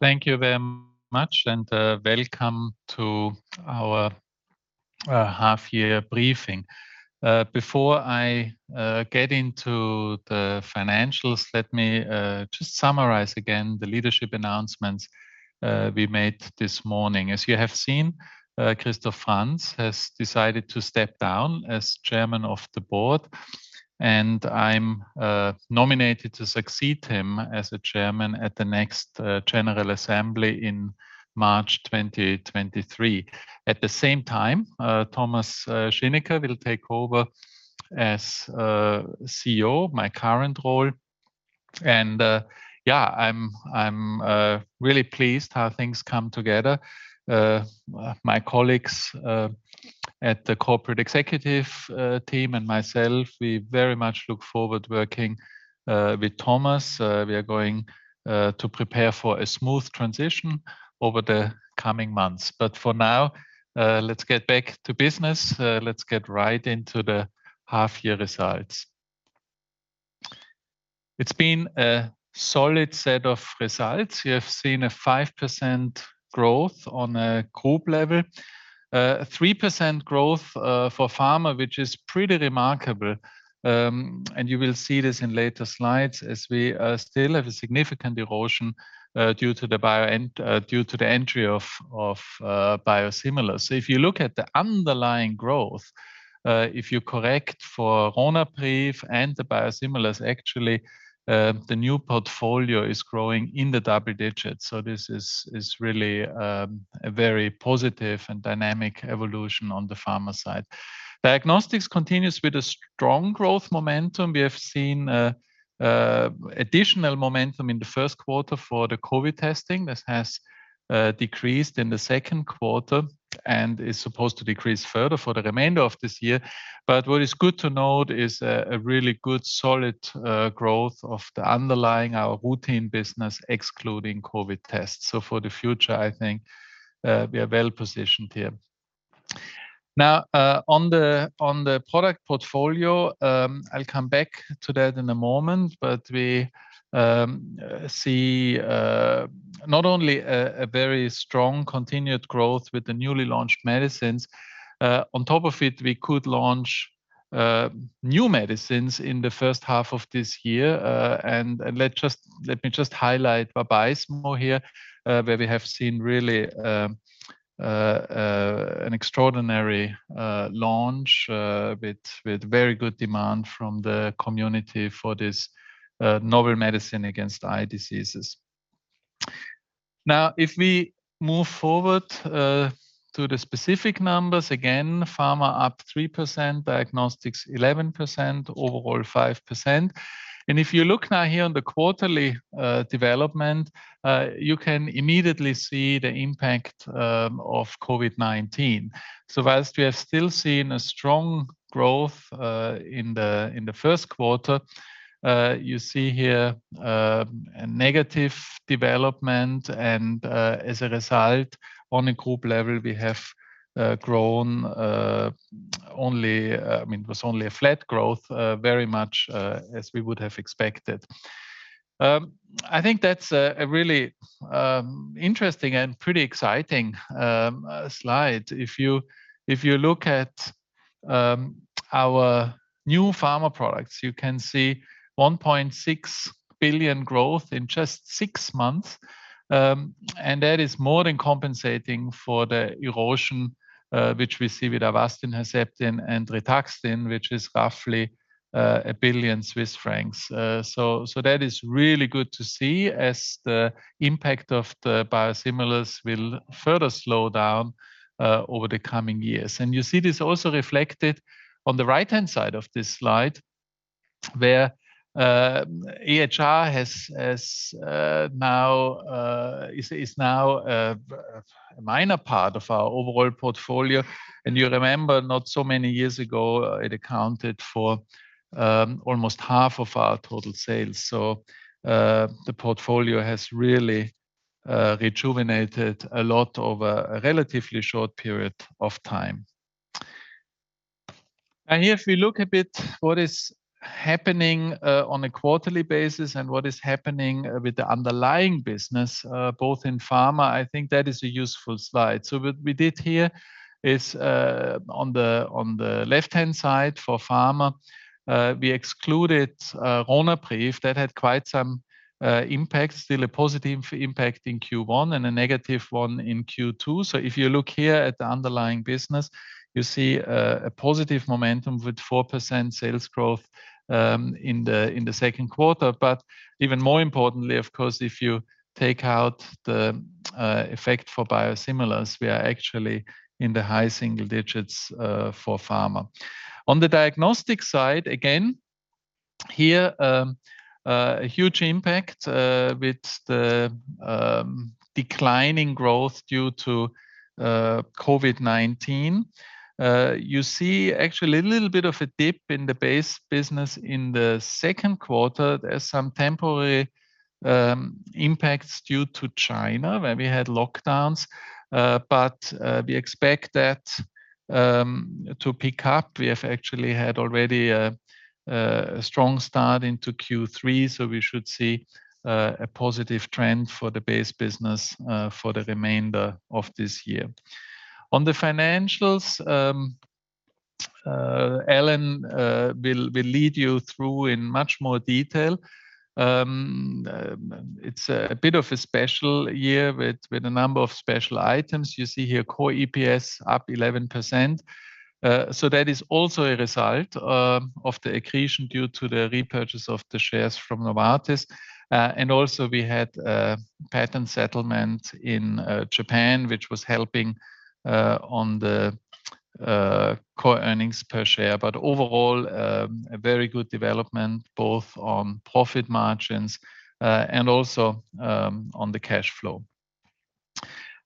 Thank you very much and welcome to our half year briefing. Before I get into the financials, let me just summarize again the leadership announcements we made this morning. As you have seen, Christoph Franz has decided to step down as chairman of the board, and I'm nominated to succeed him as the chairman at the next general assembly in March 2023. At the same time, Thomas Schinecker will take over as CEO, my current role. I'm really pleased how things come together. My colleagues at the corporate executive team and myself, we very much look forward working with Thomas. We are going to prepare for a smooth transition over the coming months. For now, let's get back to business. Let's get right into the half year results. It's been a solid set of results. We have seen a 5% growth on a group level. A 3% growth for pharma, which is pretty remarkable. You will see this in later slides as we still have a significant erosion due to the biosimilars and due to the entry of biosimilars. If you look at the underlying growth, if you correct for Ronapreve and the biosimilars, actually, the new portfolio is growing in the double digits. This is really a very positive and dynamic evolution on the pharma side. Diagnostics continues with a strong growth momentum. We have seen additional momentum in the first quarter for the COVID testing. This has decreased in the second quarter and is supposed to decrease further for the remainder of this year. What is good to note is a really good solid growth of the underlying our routine business excluding COVID tests. For the future, I think we are well positioned here. Now, on the product portfolio, I'll come back to that in a moment, but we see not only a very strong continued growth with the newly launched medicines. On top of it, we could launch new medicines in the first half of this year. Let me just highlight Vabysmo here, where we have seen really an extraordinary launch with very good demand from the community for this novel medicine against eye diseases. Now, if we move forward to the specific numbers again, pharma up 3%, diagnostics 11%, overall 5%. If you look now here on the quarterly development, you can immediately see the impact of COVID-19. While we have still seen a strong growth in the first quarter, you see here a negative development and, as a result, on a group level, we have grown only, I mean, it was only a flat growth, very much as we would have expected. I think that's a really interesting and pretty exciting slide. If you look at our new pharma products, you can see 1.6 billion growth in just six months, and that is more than compensating for the erosion which we see with Avastin, Herceptin, and Rituxan, which is roughly 1 billion Swiss francs. That is really good to see as the impact of the biosimilars will further slow down over the coming years. You see this also reflected on the right-hand side of this slide where AHR has now a minor part of our overall portfolio. You remember not so many years ago, it accounted for almost half of our total sales. The portfolio has really rejuvenated a lot over a relatively short period of time. Here, if we look a bit what is happening on a quarterly basis and what is happening with the underlying business both in pharma, I think that is a useful slide. What we did here is on the left-hand side for pharma, we excluded Ronapreve. That had quite some impact, still a positive impact in Q1 and a negative one in Q2. If you look here at the underlying business, you see a positive momentum with 4% sales growth in the second quarter. Even more importantly, of course, if you take out the effect for biosimilars, we are actually in the high single digits for pharma. On the diagnostic side again, here, a huge impact with the declining growth due to COVID-19. You see actually a little bit of a dip in the base business in the second quarter. There's some temporary impacts due to China where we had lockdowns. We expect that to pick up. We have actually had already a strong start into Q3, so we should see a positive trend for the base business for the remainder of this year. On the financials, Alan will lead you through in much more detail. It's a bit of a special year with a number of special items. You see here core EPS up 11%. So that is also a result of the accretion due to the repurchase of the shares from Novartis. We had a patent settlement in Japan, which was helping on the core earnings per share. Overall, a very good development both on profit margins and also on the cash flow.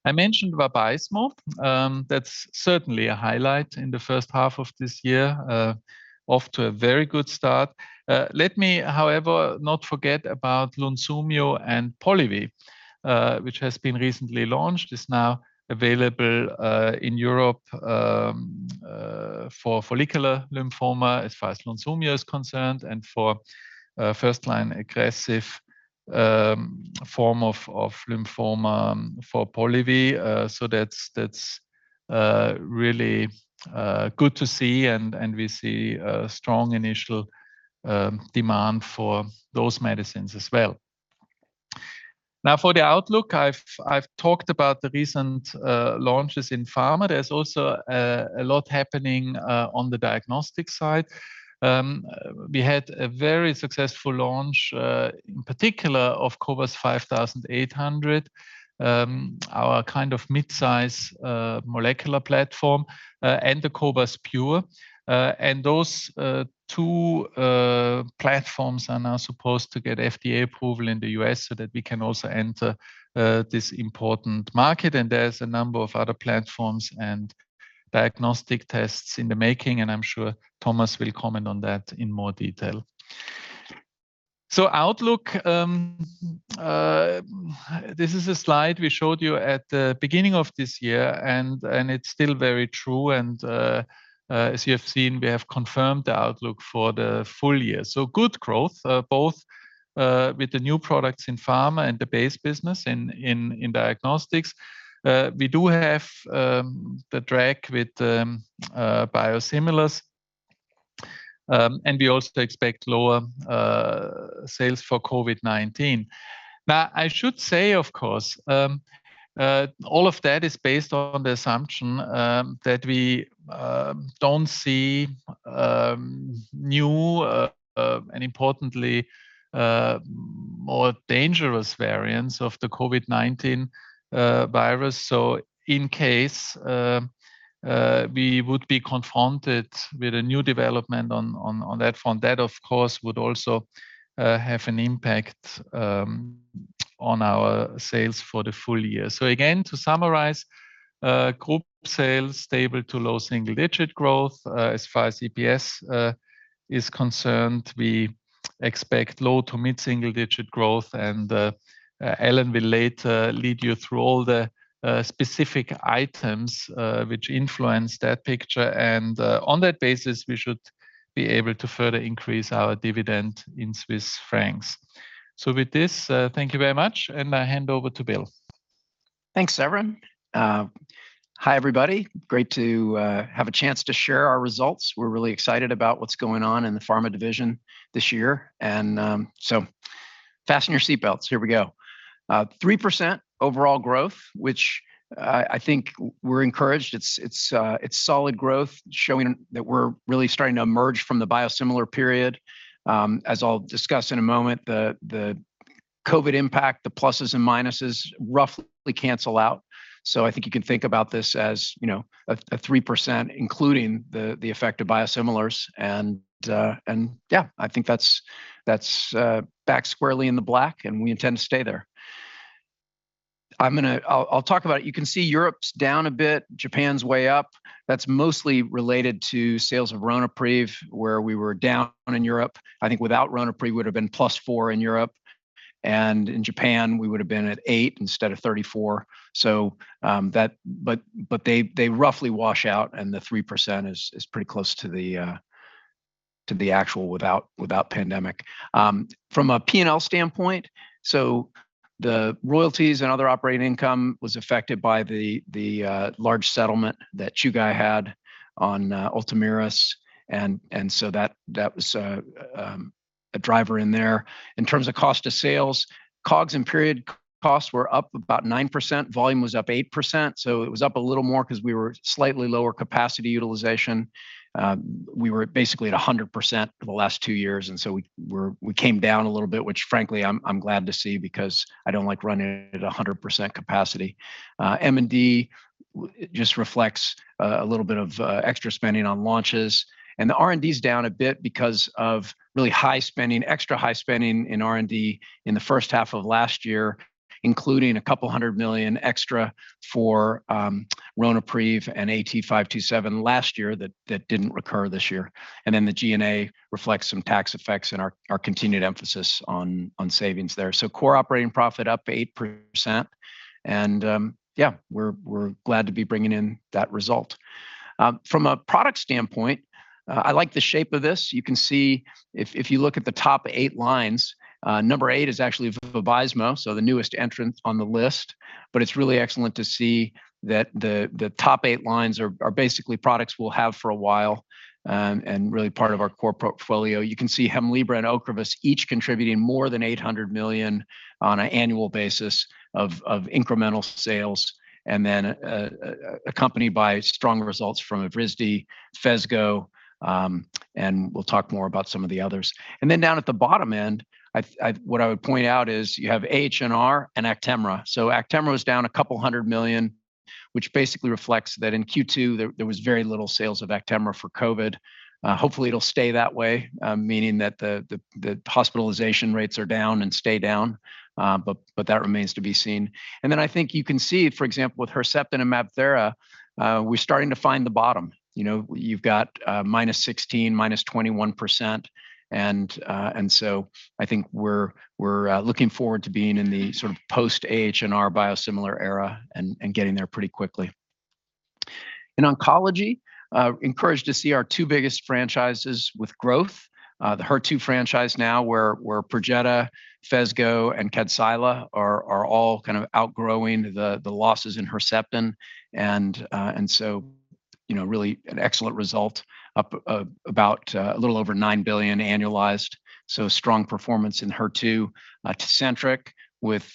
I mentioned Vabysmo. That's certainly a highlight in the first half of this year. Off to a very good start. Let me, however, not forget about Lunsumio and Polivy, which has been recently launched. It's now available in Europe for follicular lymphoma as far as Lunsumio is concerned, and for first-line aggressive form of lymphoma for Polivy. That's really good to see and we see a strong initial demand for those medicines as well. Now for the outlook, I've talked about the recent launches in pharma. There's also a lot happening on the diagnostic side. We had a very successful launch in particular of cobas 5800, our kind of mid-size molecular platform, and the cobas pure. Those two platforms are now supposed to get FDA approval in the U.S. so that we can also enter this important market. There's a number of other platforms and diagnostic tests in the making, and I'm sure Thomas will comment on that in more detail. Outlook, this is a slide we showed you at the beginning of this year and it's still very true. As you have seen, we have confirmed the outlook for the full year. Good growth both with the new products in pharma and the base business in diagnostics. We do have the drag with biosimilars, and we also expect lower sales for COVID-19. Now, I should say, of course, all of that is based on the assumption that we don't see new and importantly, more dangerous variants of the COVID-19 virus. In case we would be confronted with a new development on that front, that of course, would also have an impact on our sales for the full year. Again, to summarize, group sales stable to low-single-digit growth. As far as EPS is concerned, we expect low- to mid-single-digit growth and Alan will later lead you through all the specific items which influence that picture. On that basis, we should be able to further increase our dividend in Swiss francs. With this, thank you very much, and I hand over to Bill. Thanks, Severin. Hi, everybody. Great to have a chance to share our results. We're really excited about what's going on in the pharma division this year. Fasten your seat belts. Here we go. 3% overall growth, which I think we're encouraged. It's solid growth showing that we're really starting to emerge from the biosimilar period. As I'll discuss in a moment, the COVID impact, the pluses and minuses roughly cancel out. I think you can think about this as, you know, a 3% including the effect of biosimilars. Yeah, I think that's back squarely in the black and we intend to stay there. I'll talk about it. You can see Europe's down a bit, Japan's way up. That's mostly related to sales of Ronapreve, where we were down in Europe. I think without Ronapreve, we would have been +4% in Europe, and in Japan, we would have been at 8% instead of 34%. They roughly wash out and the 3% is pretty close to the actual without pandemic. From a P&L standpoint, the royalties and other operating income was affected by the large settlement that Chugai had on Ultomiris and so that was a driver in there. In terms of cost of sales, COGS and period costs were up about 9%. Volume was up 8%, so it was up a little more because we were slightly lower capacity utilization. We were basically at 100% for the last two years. We came down a little bit, which frankly I'm glad to see because I don't like running it at 100% capacity. M&D just reflects a little bit of extra spending on launches. The R&D's down a bit because of really high spending, extra high spending in R&D in the first half of last year, including 200 million extra for Ronapreve and AT-527 last year that didn't recur this year. Then the G&A reflects some tax effects and our continued emphasis on savings there. Core operating profit up 8% and we're glad to be bringing in that result. From a product standpoint, I like the shape of this. You can see if you look at the top eight lines, number eight is actually Vabysmo, so the newest entrant on the list. It's really excellent to see that the top eight lines are basically products we'll have for a while, and really part of our core portfolio. You can see Hemlibra and Ocrevus each contributing more than 800 million on an annual basis of incremental sales, and then accompanied by strong results from Evrysdi, Phesgo, and we'll talk more about some of the others. Then down at the bottom end, what I would point out is you have AHR and Actemra. Actemra was down 200 million, which basically reflects that in Q2 there was very little sales of Actemra for COVID. Hopefully it'll stay that way, meaning that the hospitalization rates are down and stay down, but that remains to be seen. I think you can see, for example, with Herceptin and MabThera, we're starting to find the bottom. You know, you've got -16%, -21%, and so I think we're looking forward to being in the sort of post-AHR biosimilar era and getting there pretty quickly. In oncology, encouraged to see our two biggest franchises with growth. The HER2 franchise now where Perjeta, Phesgo, and Kadcyla are all kind of outgrowing the losses in Herceptin and so, you know, really an excellent result up about a little over 9 billion annualized, so strong performance in HER2. Tecentriq with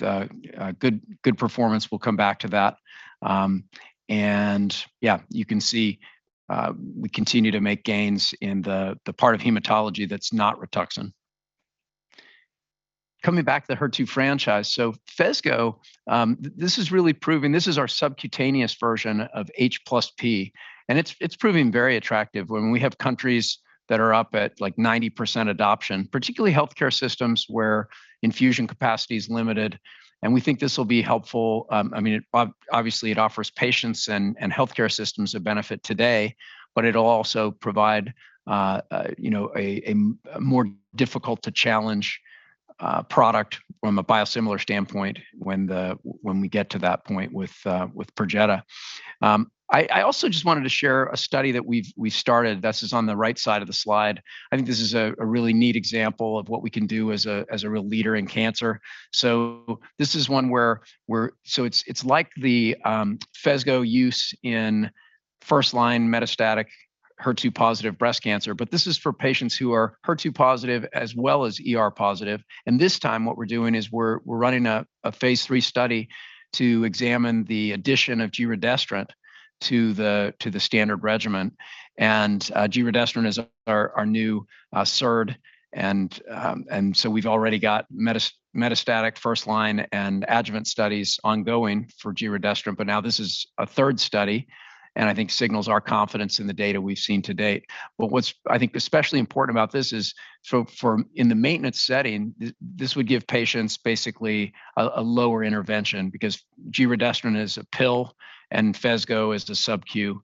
good performance. We'll come back to that. Yeah, you can see we continue to make gains in the part of hematology that's not Rituxan. Coming back to the HER2 franchise. Phesgo, this is really proving this is our subcutaneous version of H+P, and it's proving very attractive when we have countries that are up at like 90% adoption, particularly healthcare systems where infusion capacity is limited, and we think this will be helpful. I mean, obviously it offers patients and healthcare systems a benefit today, but it'll also provide, you know, a more difficult to challenge product from a biosimilar standpoint when we get to that point with Perjeta. I also just wanted to share a study that we started. This is on the right side of the slide. I think this is a really neat example of what we can do as a real leader in cancer. This is one where it's like the Phesgo use in first-line metastatic HER2-positive breast cancer. This is for patients who are HER2-positive as well as ER-positive. This time, what we're doing is we're running a phase III study to examine the addition of giredestrant to the standard regimen. Giredestrant is our new SERD and so we've already got metastatic first-line and adjuvant studies ongoing for giredestrant. Now this is a third study, and I think signals our confidence in the data we've seen to date. What's I think especially important about this is in the maintenance setting, this would give patients basically a lower intervention because giredestrant is a pill and Phesgo is the subQ.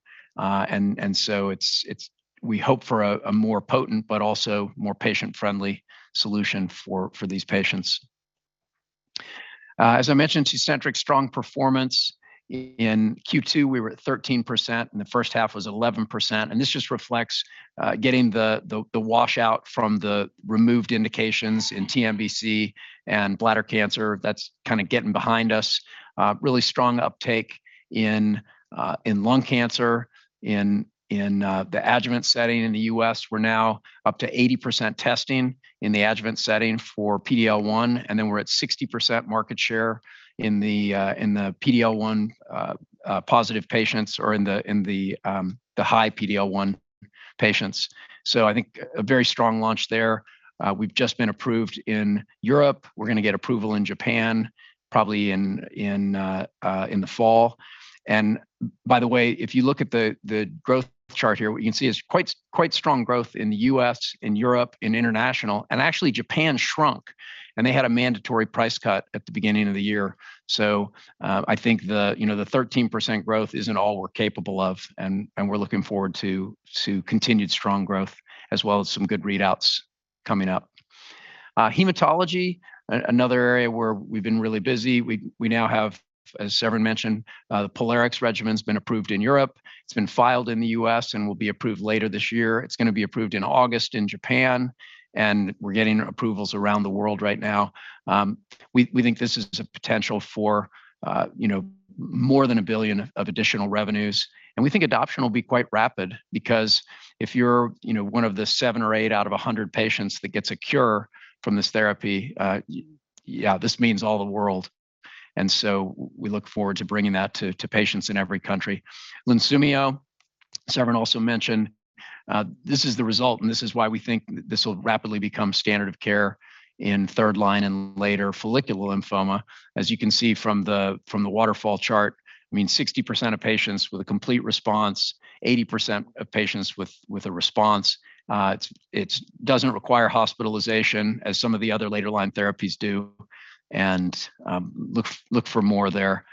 It's we hope for a more potent but also more patient-friendly solution for these patients. As I mentioned, Tecentriq strong performance. In Q2, we were at 13%, and the first half was 11%. This just reflects getting the washout from the removed indications in TNBC and bladder cancer. That's kind of getting behind us. Really strong uptake in lung cancer in the adjuvant setting in the U.S.. We're now up to 80% testing in the adjuvant setting for PDL1, and then we're at 60% market share in the PDL1 positive patients or in the high PDL1 patients. I think a very strong launch there. We've just been approved in Europe. We're gonna get approval in Japan probably in the fall. By the way, if you look at the growth chart here, what you can see is quite strong growth in the U.S., in Europe, in international, and actually Japan shrunk, and they had a mandatory price cut at the beginning of the year. I think, you know, the 13% growth isn't all we're capable of and we're looking forward to continued strong growth as well as some good readouts coming up. Hematology, another area where we've been really busy. We now have, as Severin mentioned, the POLARIX regimen's been approved in Europe. It's been filed in the U.S. and will be approved later this year. It's gonna be approved in August in Japan, and we're getting approvals around the world right now. We think this is a potential for, you know, more than 1 billion of additional revenues. We think adoption will be quite rapid because if you're, you know, one of the seven or eight out of 100 patients that gets a cure from this therapy, this means all the world. We look forward to bringing that to patients in every country. Lunsumio. Severin also mentioned this is the result and this is why we think this will rapidly become standard of care in third line and later follicular lymphoma. As you can see from the waterfall chart, I mean, 60% of patients with a complete response, 80% of patients with a response. It doesn't require hospitalization as some of the other later line therapies do and look for more there.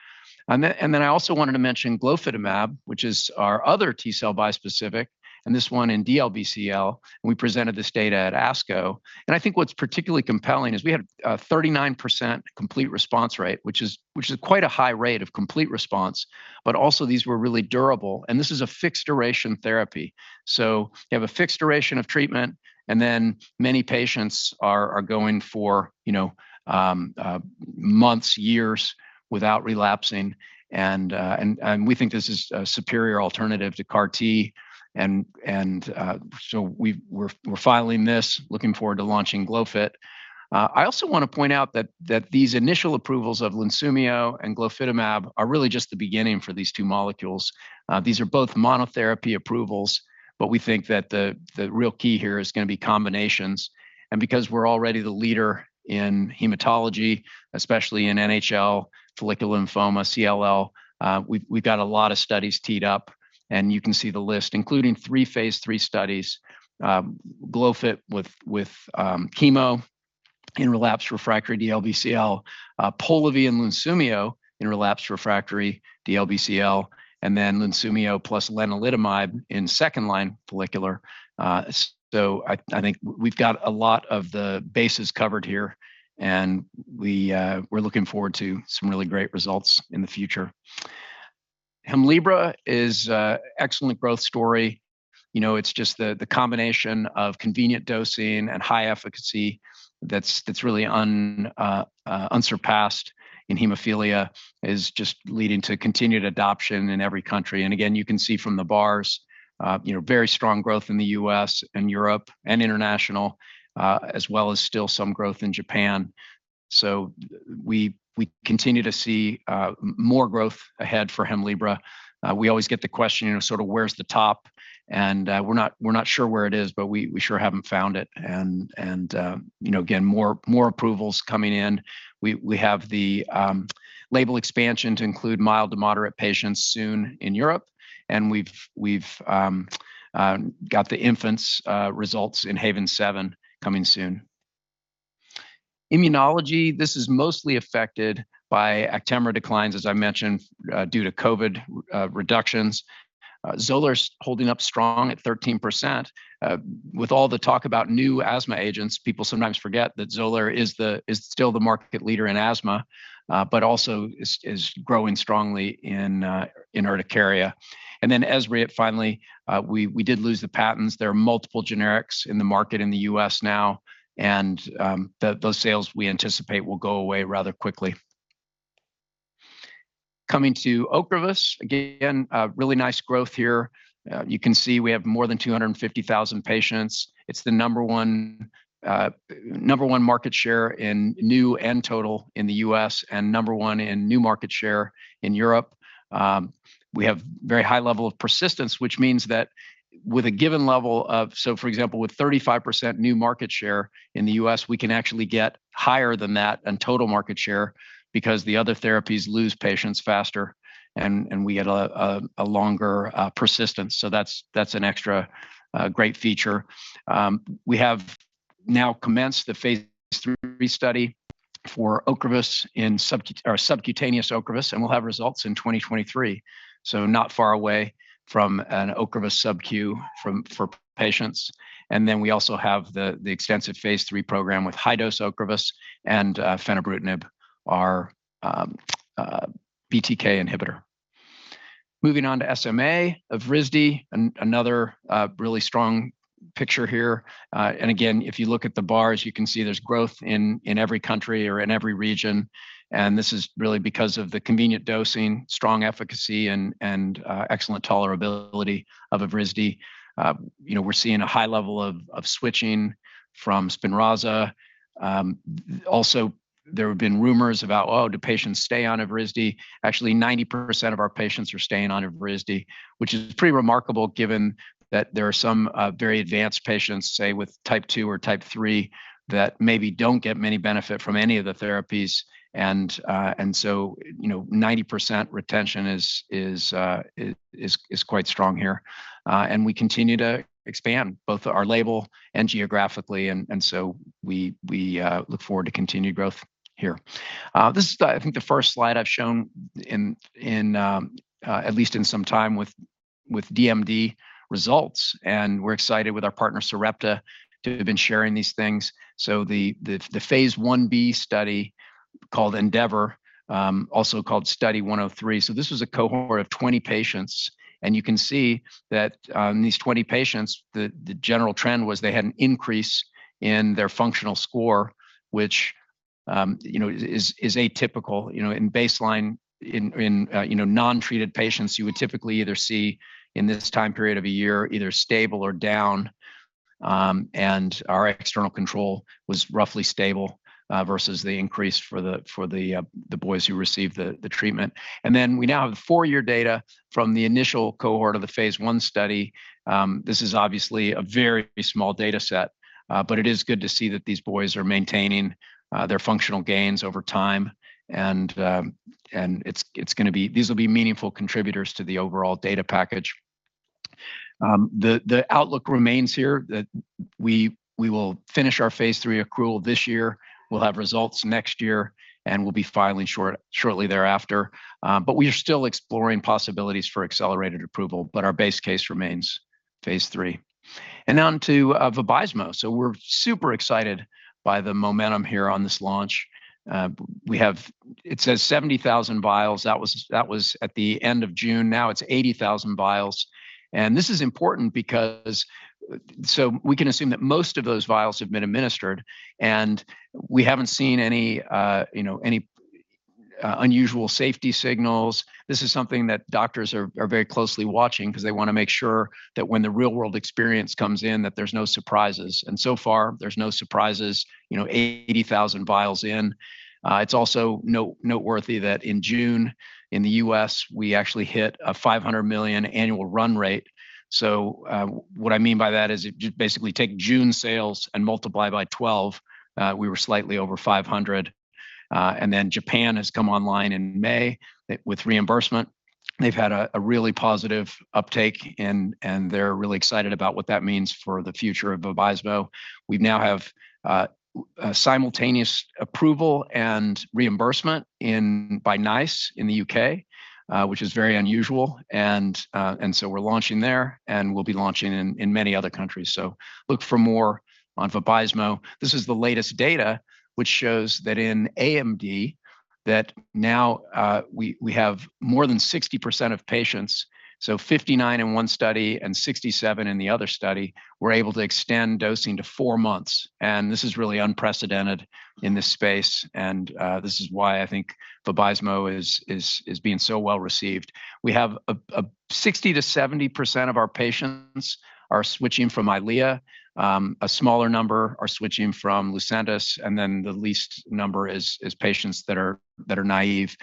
Then I also wanted to mention Glofitamab, which is our other T-cell bispecific. This one in DLBCL, and we presented this data at ASCO. I think what's particularly compelling is we had a 39% complete response rate, which is quite a high rate of complete response, but also these were really durable. This is a fixed duration therapy. You have a fixed duration of treatment, and then many patients are going for, you know, months, years without relapsing. We think this is a superior alternative to CAR-T. We're filing this, looking forward to launching Glofitamab. I also wanna point out that these initial approvals of Lunsumio and Glofitamab are really just the beginning for these two molecules. These are both monotherapy approvals, but we think that the real key here is gonna be combinations. Because we're already the leader in hematology, especially in NHL, follicular lymphoma, CLL, we've got a lot of studies teed up, and you can see the list, including three phase, three studies, glofitamab with chemo in relapsed refractory DLBCL, Polivy and Lunsumio in relapsed refractory DLBCL, and then Lunsumio plus lenalidomide in second line follicular. I think we've got a lot of the bases covered here, and we're looking forward to some really great results in the future. Hemlibra is an excellent growth story. You know, it's just the combination of convenient dosing and high efficacy that's really unsurpassed in hemophilia, is just leading to continued adoption in every country. Again, you can see from the bars, you know, very strong growth in the U.S. and Europe and international, as well as still some growth in Japan. We continue to see more growth ahead for Hemlibra. We always get the question, you know, sort of where's the top? We're not sure where it is, but we sure haven't found it. Again, you know, more approvals coming in. We have the label expansion to include mild to moderate patients soon in Europe, and we've got the infants results in HAVEN 7 coming soon. Immunology, this is mostly affected by Actemra declines, as I mentioned, due to COVID reductions. Xolair's holding up strong at 13%. With all the talk about new asthma agents, people sometimes forget that Xolair is still the market leader in asthma but also is growing strongly in urticaria. Esbriet, finally, we did lose the patents. There are multiple generics in the market in the U.S. now, and those sales we anticipate will go away rather quickly. Coming to Ocrevus, again, a really nice growth here. You can see we have more than 250,000 patients. It's the number one, number one market share in new and total in the U.S. and number one in new market share in Europe. We have very high level of persistence, which means that with a given level of. For example, with 35% new market share in the U.S. we can actually get higher than that in total market share because the other therapies lose patients faster and we get a longer persistence. That's an extra great feature. We have now commenced the phase III study for Ocrevus in subcutaneous Ocrevus, and we'll have results in 2023. Not far away from an Ocrevus subQ for patients. We also have the extensive phase III program with high-dose Ocrevus and Fenebrutinib, our BTK inhibitor. Moving on to SMA, Evrysdi, another really strong picture here. If you look at the bars, you can see there's growth in every country or in every region, and this is really because of the convenient dosing, strong efficacy, and excellent tolerability of Evrysdi. You know, we're seeing a high level of switching from Spinraza. Also there have been rumors about, do patients stay on Evrysdi? Actually, 90% of our patients are staying on Evrysdi, which is pretty remarkable given that there are some very advanced patients, say with type two or type three, that maybe don't get many benefit from any of the therapies. You know, 90% retention is quite strong here. We continue to expand both our label and geographically, so we look forward to continued growth here. This is the—I think the first slide I've shown in at least in some time with DMD results, and we're excited with our partner Sarepta to have been sharing these things. The phase I-B study called ENDEAVOR, also called Study 103. This was a cohort of 20 patients, and you can see that these 20 patients, the general trend was they had an increase in their functional score, which you know is atypical. You know, at baseline in non-treated patients, you would typically either see in this time period of a year, either stable or down, and our external control was roughly stable versus the increase for the boys who received the treatment. We now have the four-year data from the initial cohort of the phase I study. This is obviously a very small data set, but it is good to see that these boys are maintaining their functional gains over time and these will be meaningful contributors to the overall data package. The outlook remains here that we will finish our phase III accrual this year. We'll have results next year, and we'll be filing shortly thereafter. But we are still exploring possibilities for accelerated approval, but our base case remains phase III. On to Vabysmo. We're super excited by the momentum here on this launch. We have. It says 70,000 vials, that was at the end of June. Now it's 80,000 vials. This is important because so we can assume that most of those vials have been administered, and we haven't seen any, you know, unusual safety signals. This is something that doctors are very closely watching because they wanna make sure that when the real-world experience comes in, that there's no surprises. So far, there's no surprises. You know, 80,000 vials in. It's also noteworthy that in June in the U.S., we actually hit a $500 million annual run rate. What I mean by that is if you basically take June sales and multiply by 12, we were slightly over $500 million. And then Japan has come online in May with reimbursement. They've had a really positive uptake and they're really excited about what that means for the future of Vabysmo. We now have simultaneous approval and reimbursement by NICE in the U.K., which is very unusual. We're launching there, and we'll be launching in many other countries. Look for more on Vabysmo. This is the latest data which shows that in AMD, we have more than 60% of patients, so 59 in one study and 67 in the other study, were able to extend dosing to four months. This is really unprecedented in this space. This is why I think Vabysmo is being so well-received. We have 60%-70% of our patients are switching from Eylea. A smaller number are switching from Lucentis, and then the least number is patients that are naive.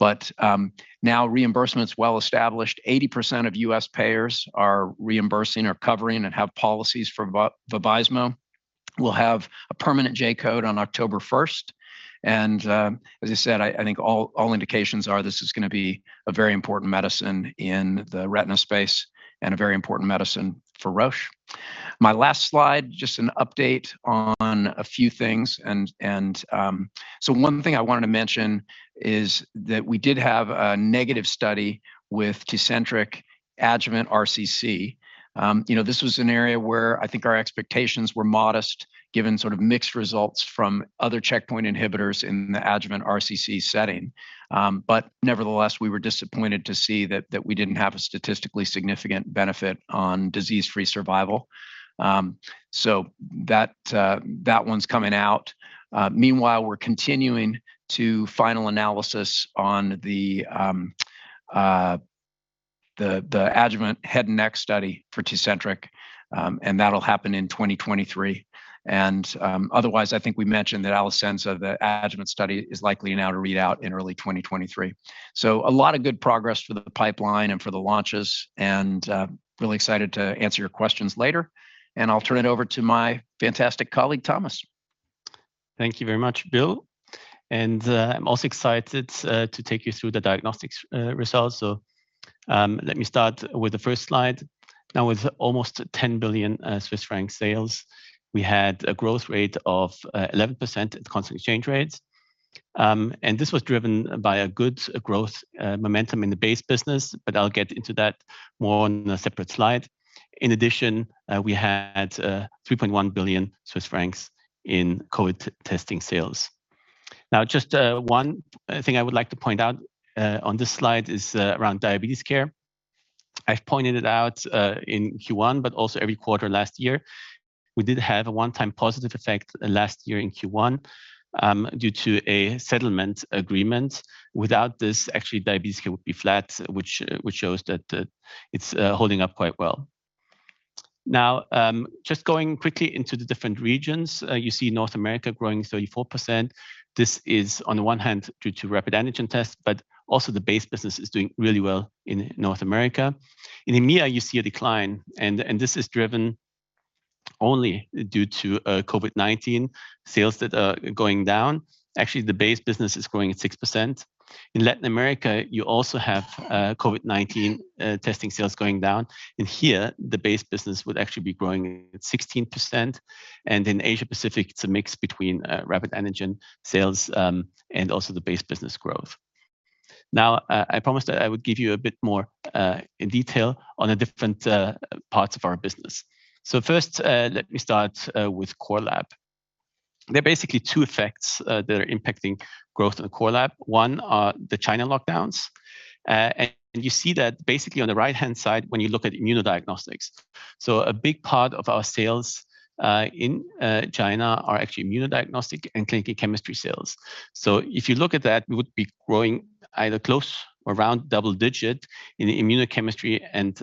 Now reimbursements well-established. 80% of U.S. payers are reimbursing or covering and have policies for Vabysmo. We'll have a permanent J-code on October 1st. As I said, I think all indications are this is going to be a very important medicine in the retina space and a very important medicine for Roche. My last slide, just an update on a few things. One thing I wanted to mention is that we did have a negative study with Tecentriq adjuvant RCC. You know, this was an area where I think our expectations were modest, given sort of mixed results from other checkpoint inhibitors in the adjuvant RCC setting. Nevertheless, we were disappointed to see that we didn't have a statistically significant benefit on disease-free survival. That one's coming out. Meanwhile, we're continuing to final analysis on the adjuvant head and neck study for Tecentriq, and that'll happen in 2023. Otherwise, I think we mentioned that Alecensa, the adjuvant study, is likely now to read out in early 2023. A lot of good progress for the pipeline and for the launches, and really excited to answer your questions later. I'll turn it over to my fantastic colleague, Thomas. Thank you very much, Bill. I'm also excited to take you through the diagnostics results. Let me start with the first slide. Now with almost 10 billion Swiss franc sales, we had a growth rate of 11% at constant exchange rates. This was driven by a good growth momentum in the base business, but I'll get into that more on a separate slide. In addition, we had 3.1 billion Swiss francs in COVID testing sales. Now, just one thing I would like to point out on this slide is around diabetes care. I've pointed it out in Q1, but also every quarter last year. We did have a one-time positive effect last year in Q1 due to a settlement agreement. Without this, actually diabetes care would be flat, which shows that it's holding up quite well. Now, just going quickly into the different regions, you see North America growing 34%. This is on one hand due to rapid antigen tests, but also the base business is doing really well in North America. In EMEA you see a decline, and this is driven only due to COVID-19 sales that are going down. Actually, the base business is growing at 6%. In Latin America, you also have COVID-19 testing sales going down. Here, the base business would actually be growing at 16%. In Asia Pacific, it's a mix between rapid antigen sales and also the base business growth. Now, I promised I would give you a bit more detail on the different parts of our business. First, let me start with Core Lab. There are basically two effects that are impacting growth in Core Lab. One are the China lockdowns. You see that basically on the right-hand side when you look at immunodiagnostics. A big part of our sales in China are actually immunodiagnostic and clinical chemistry sales. If you look at that, we would be growing either close or around double digit in immunochemistry and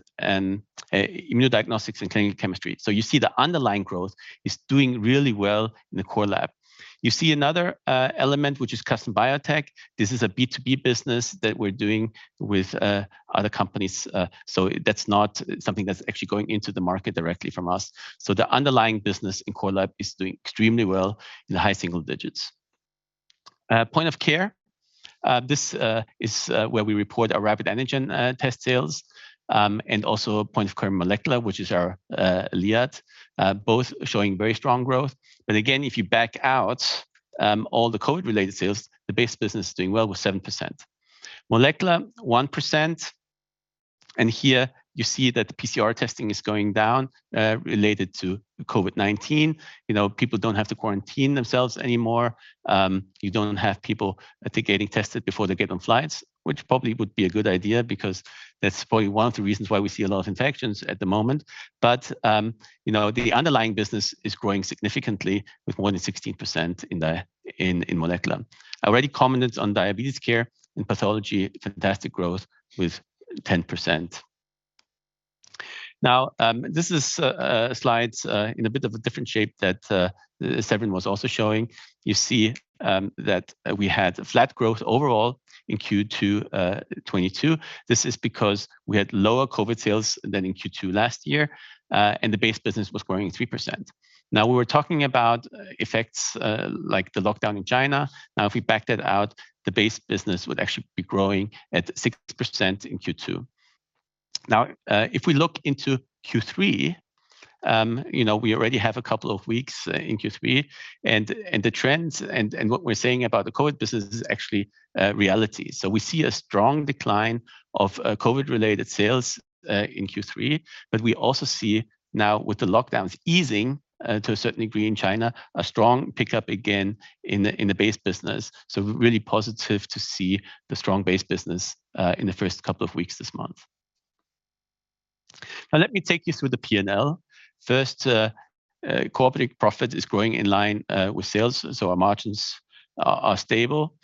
immunodiagnostics and clinical chemistry. You see the underlying growth is doing really well in the Core Lab. You see another element, which is Custom Biotech. This is a B2B business that we're doing with other companies. That's not something that's actually going into the market directly from us. The underlying business in Core Lab is doing extremely well in the high single digits. Point of care, this is where we report our rapid antigen test sales, and also point of care molecular, which is our LIAT, both showing very strong growth. Again, if you back out all the COVID-related sales, the base business is doing well with 7%. Molecular, 1%. Here you see that the PCR testing is going down related to COVID-19. You know, people don't have to quarantine themselves anymore. You don't have people, I think, getting tested before they get on flights, which probably would be a good idea because that's probably one of the reasons why we see a lot of infections at the moment. You know, the underlying business is growing significantly with more than 16% in molecular. I already commented on diabetes care and pathology, fantastic growth with 10%. Now, this is slides in a bit of a different shape that Severin was also showing. You see, that we had flat growth overall in Q2 2022. This is because we had lower COVID sales than in Q2 last year, and the base business was growing 3%. Now, we were talking about effects like the lockdown in China. Now, if we backed that out, the base business would actually be growing at 6% in Q2. Now, if we look into Q3, you know, we already have a couple of weeks in Q3 and the trends and what we're saying about the COVID business is actually a reality. We see a strong decline of COVID-related sales in Q3. We also see now with the lockdowns easing to a certain degree in China, a strong pickup again in the base business. Really positive to see the strong base business in the first couple of weeks this month. Now, let me take you through the P&L. First, core operating profit is growing in line with sales, so our margins are stable.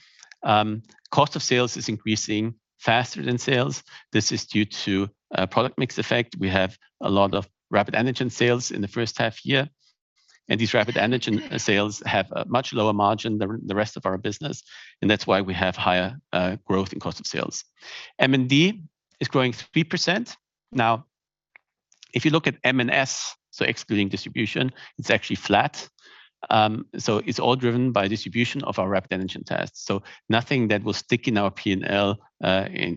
Cost of sales is increasing faster than sales. This is due to a product mix effect. We have a lot of rapid antigen sales in the first half year, and these rapid antigen sales have a much lower margin than the rest of our business, and that's why we have higher growth in cost of sales. M&D is growing 3%. Now, if you look at M&S, excluding distribution, it's actually flat. It's all driven by distribution of our rapid antigen tests. Nothing that will stick in our P&L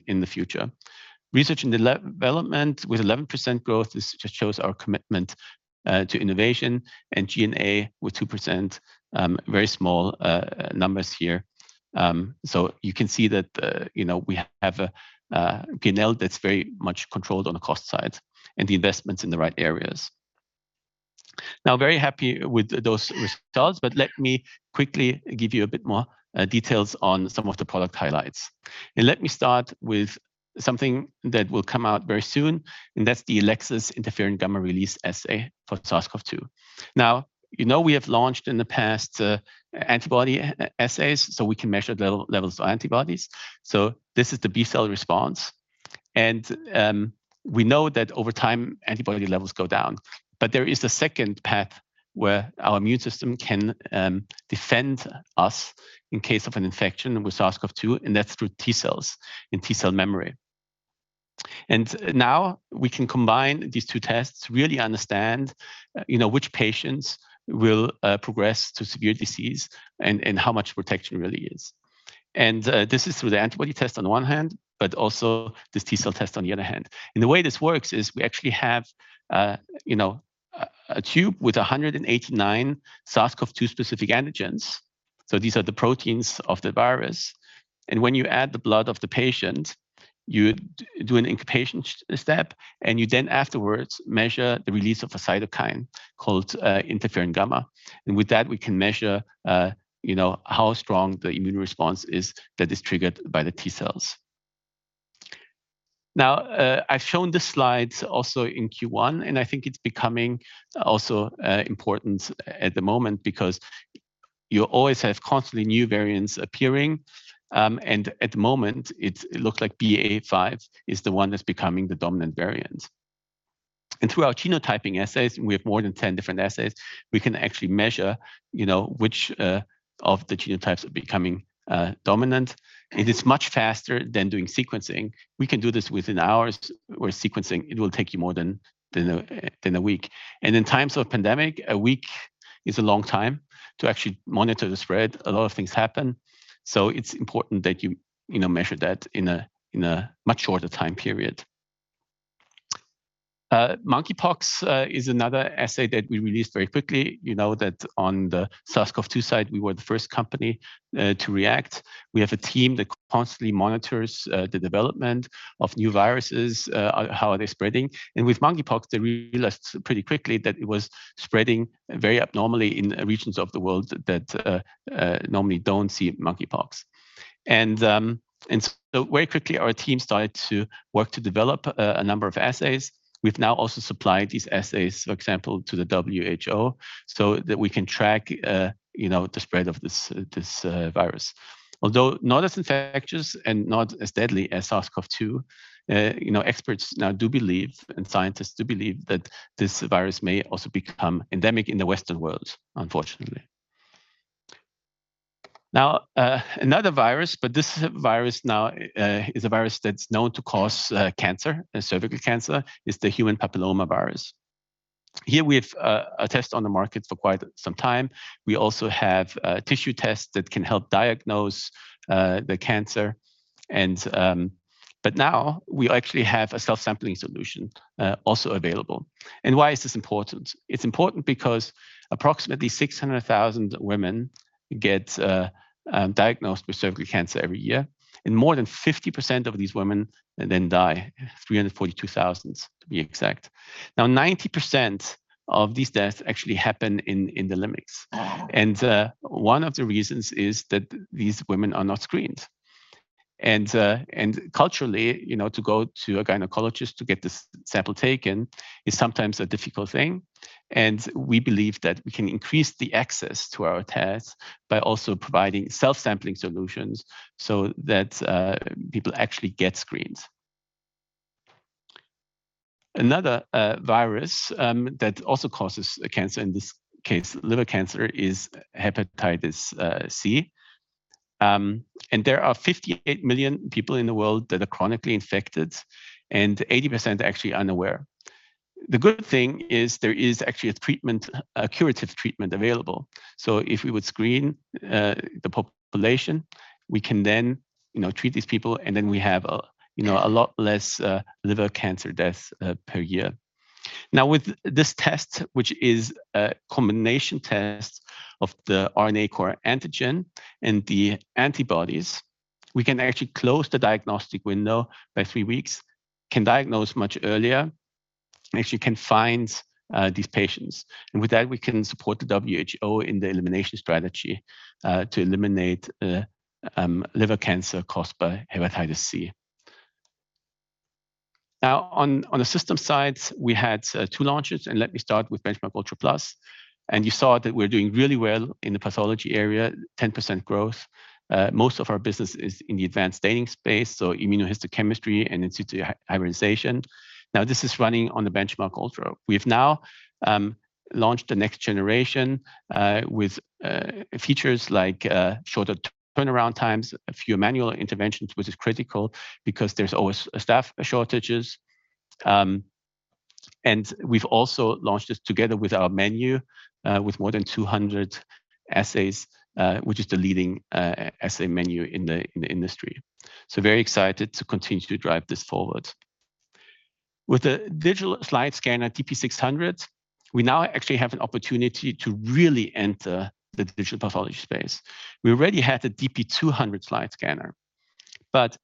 in the future. Research and development with 11% growth, this just shows our commitment to innovation and G&A with 2%, very small numbers here. You can see that, you know, we have a P&L that's very much controlled on the cost side and the investments in the right areas. Now, very happy with those results, but let me quickly give you a bit more details on some of the product highlights. Let me start with something that will come out very soon, and that's the Elecsys Interferon Gamma Release Assay for SARS-CoV-2. Now, you know, we have launched in the past antibody assays, so we can measure levels of antibodies. So this is the B cell response. We know that over time, antibody levels go down. But there is a second path where our immune system can defend us in case of an infection with SARS-CoV-2, and that's through T cells and T cell memory. Now we can combine these two tests, really understand, you know, which patients will progress to severe disease and how much protection really is. This is through the antibody test on one hand, but also this T cell test on the other hand. The way this works is we actually have, you know, a tube with 189 SARS-CoV-2 specific antigens. So these are the proteins of the virus. When you add the blood of the patient, you do an incubation step, and you then afterwards measure the release of a cytokine called interferon gamma. With that, we can measure, you know, how strong the immune response is that is triggered by the T cells. Now, I've shown the slides also in Q1, and I think it's becoming also important at the moment because you always have constantly new variants appearing. At the moment, it looks like BA.5 is the one that's becoming the dominant variant. Through our genotyping assays, we have more than 10 different assays, we can actually measure, you know, which of the genotypes are becoming dominant. It is much faster than doing sequencing. We can do this within hours, where sequencing it will take you more than a week. In times of pandemic, a week is a long time to actually monitor the spread. A lot of things happen. It's important that you know, measure that in a much shorter time period. Monkeypox is another assay that we released very quickly. You know that on the SARS-CoV-2 side, we were the first company to react. We have a team that constantly monitors the development of new viruses, how they are spreading. With monkeypox, they realized pretty quickly that it was spreading very abnormally in regions of the world that normally don't see monkeypox. Very quickly, our team started to work to develop a number of assays. We've now also supplied these assays, for example, to the WHO so that we can track you know the spread of this virus. Although not as infectious and not as deadly as SARS-CoV-2, you know, experts now do believe and scientists do believe that this virus may also become endemic in the Western world, unfortunately. Now, another virus, but this virus now is a virus that's known to cause cancer, cervical cancer, is the human papillomavirus. Here we have a test on the market for quite some time. We also have tissue tests that can help diagnose the cancer, but now we actually have a self-sampling solution also available. Why is this important? It's important because approximately 600,000 women get diagnosed with cervical cancer every year, and more than 50% of these women then die, 342,000 to be exact. Now, 90% of these deaths actually happen in LMICs. One of the reasons is that these women are not screened. Culturally, you know, to go to a gynecologist to get this sample taken is sometimes a difficult thing, and we believe that we can increase the access to our tests by also providing self-sampling solutions so that people actually get screened. Another virus that also causes a cancer, in this case liver cancer, is hepatitis C. There are 58 million people in the world that are chronically infected, and 80% actually unaware. The good thing is there is actually a treatment, a curative treatment available. If we would screen the population, we can then, you know, treat these people, and then we have a, you know, a lot less liver cancer deaths per year. Now, with this test, which is a combination test of the HCV core antigen and the antibodies, we can actually close the diagnostic window by three weeks, can diagnose much earlier, and actually can find these patients. With that, we can support the WHO in the elimination strategy to eliminate liver cancer caused by hepatitis C. On the system side, we had two launches, and let me start with BenchMark ULTRA PLUS. You saw that we're doing really well in the pathology area, 10% growth. Most of our business is in the advanced staining space, so immunohistochemistry and in situ hybridization. Now this is running on the BenchMark ULTRA. We've now launched the next generation with features like shorter turnaround times, fewer manual interventions, which is critical because there's always staff shortages. We've also launched this together with our menu with more than 200 assays, which is the leading assay menu in the industry. Very excited to continue to drive this forward. With the digital slide scanner, VENTANA DP 600, we now actually have an opportunity to really enter the digital pathology space. We already had the DP200 slide scanner, but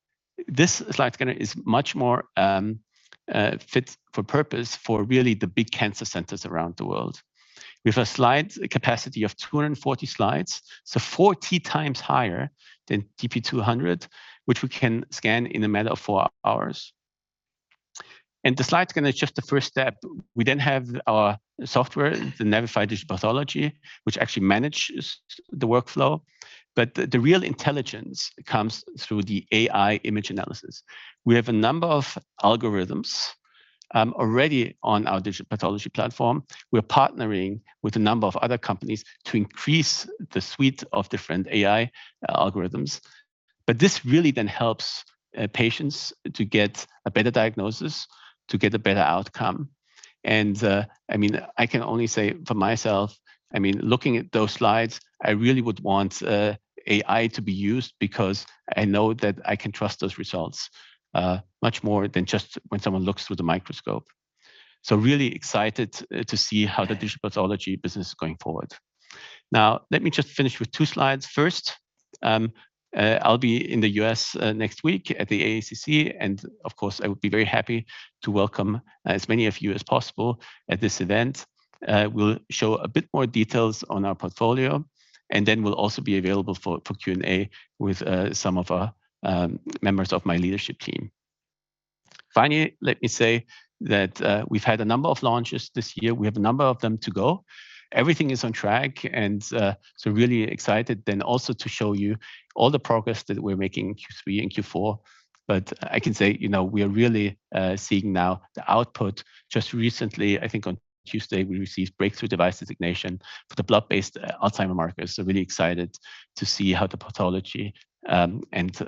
this slide scanner is much more fit for purpose for really the big cancer centers around the world. We have a slide capacity of 240 slides, so 40 times higher than DP200, which we can scan in a matter of four hours. The slide scanner is just the first step. We have our software, the Navify Digital Pathology, which actually manages the workflow. The real intelligence comes through the AI image analysis. We have a number of algorithms already on our digital pathology platform. We're partnering with a number of other companies to increase the suite of different AI algorithms. This really then helps patients to get a better diagnosis, to get a better outcome. I mean, I can only say for myself, I mean, looking at those slides, I really would want AI to be used because I know that I can trust those results much more than just when someone looks through the microscope. I really excited to see how the digital pathology business is going forward. Now let me just finish with two slides. First, I'll be in the U.S. next week at the AACC, and of course, I would be very happy to welcome as many of you as possible at this event. We'll show a bit more details on our portfolio, and then we'll also be available for Q&A with some of our members of my leadership team. Finally, let me say that we've had a number of launches this year. We have a number of them to go. Everything is on track and so really excited then also to show you all the progress that we're making in Q3 and Q4, but I can say, you know, we are really seeing now the output. Just recently, I think on Tuesday, we received breakthrough device designation for the blood-based Alzheimer's markers, so really excited to see how the pathology and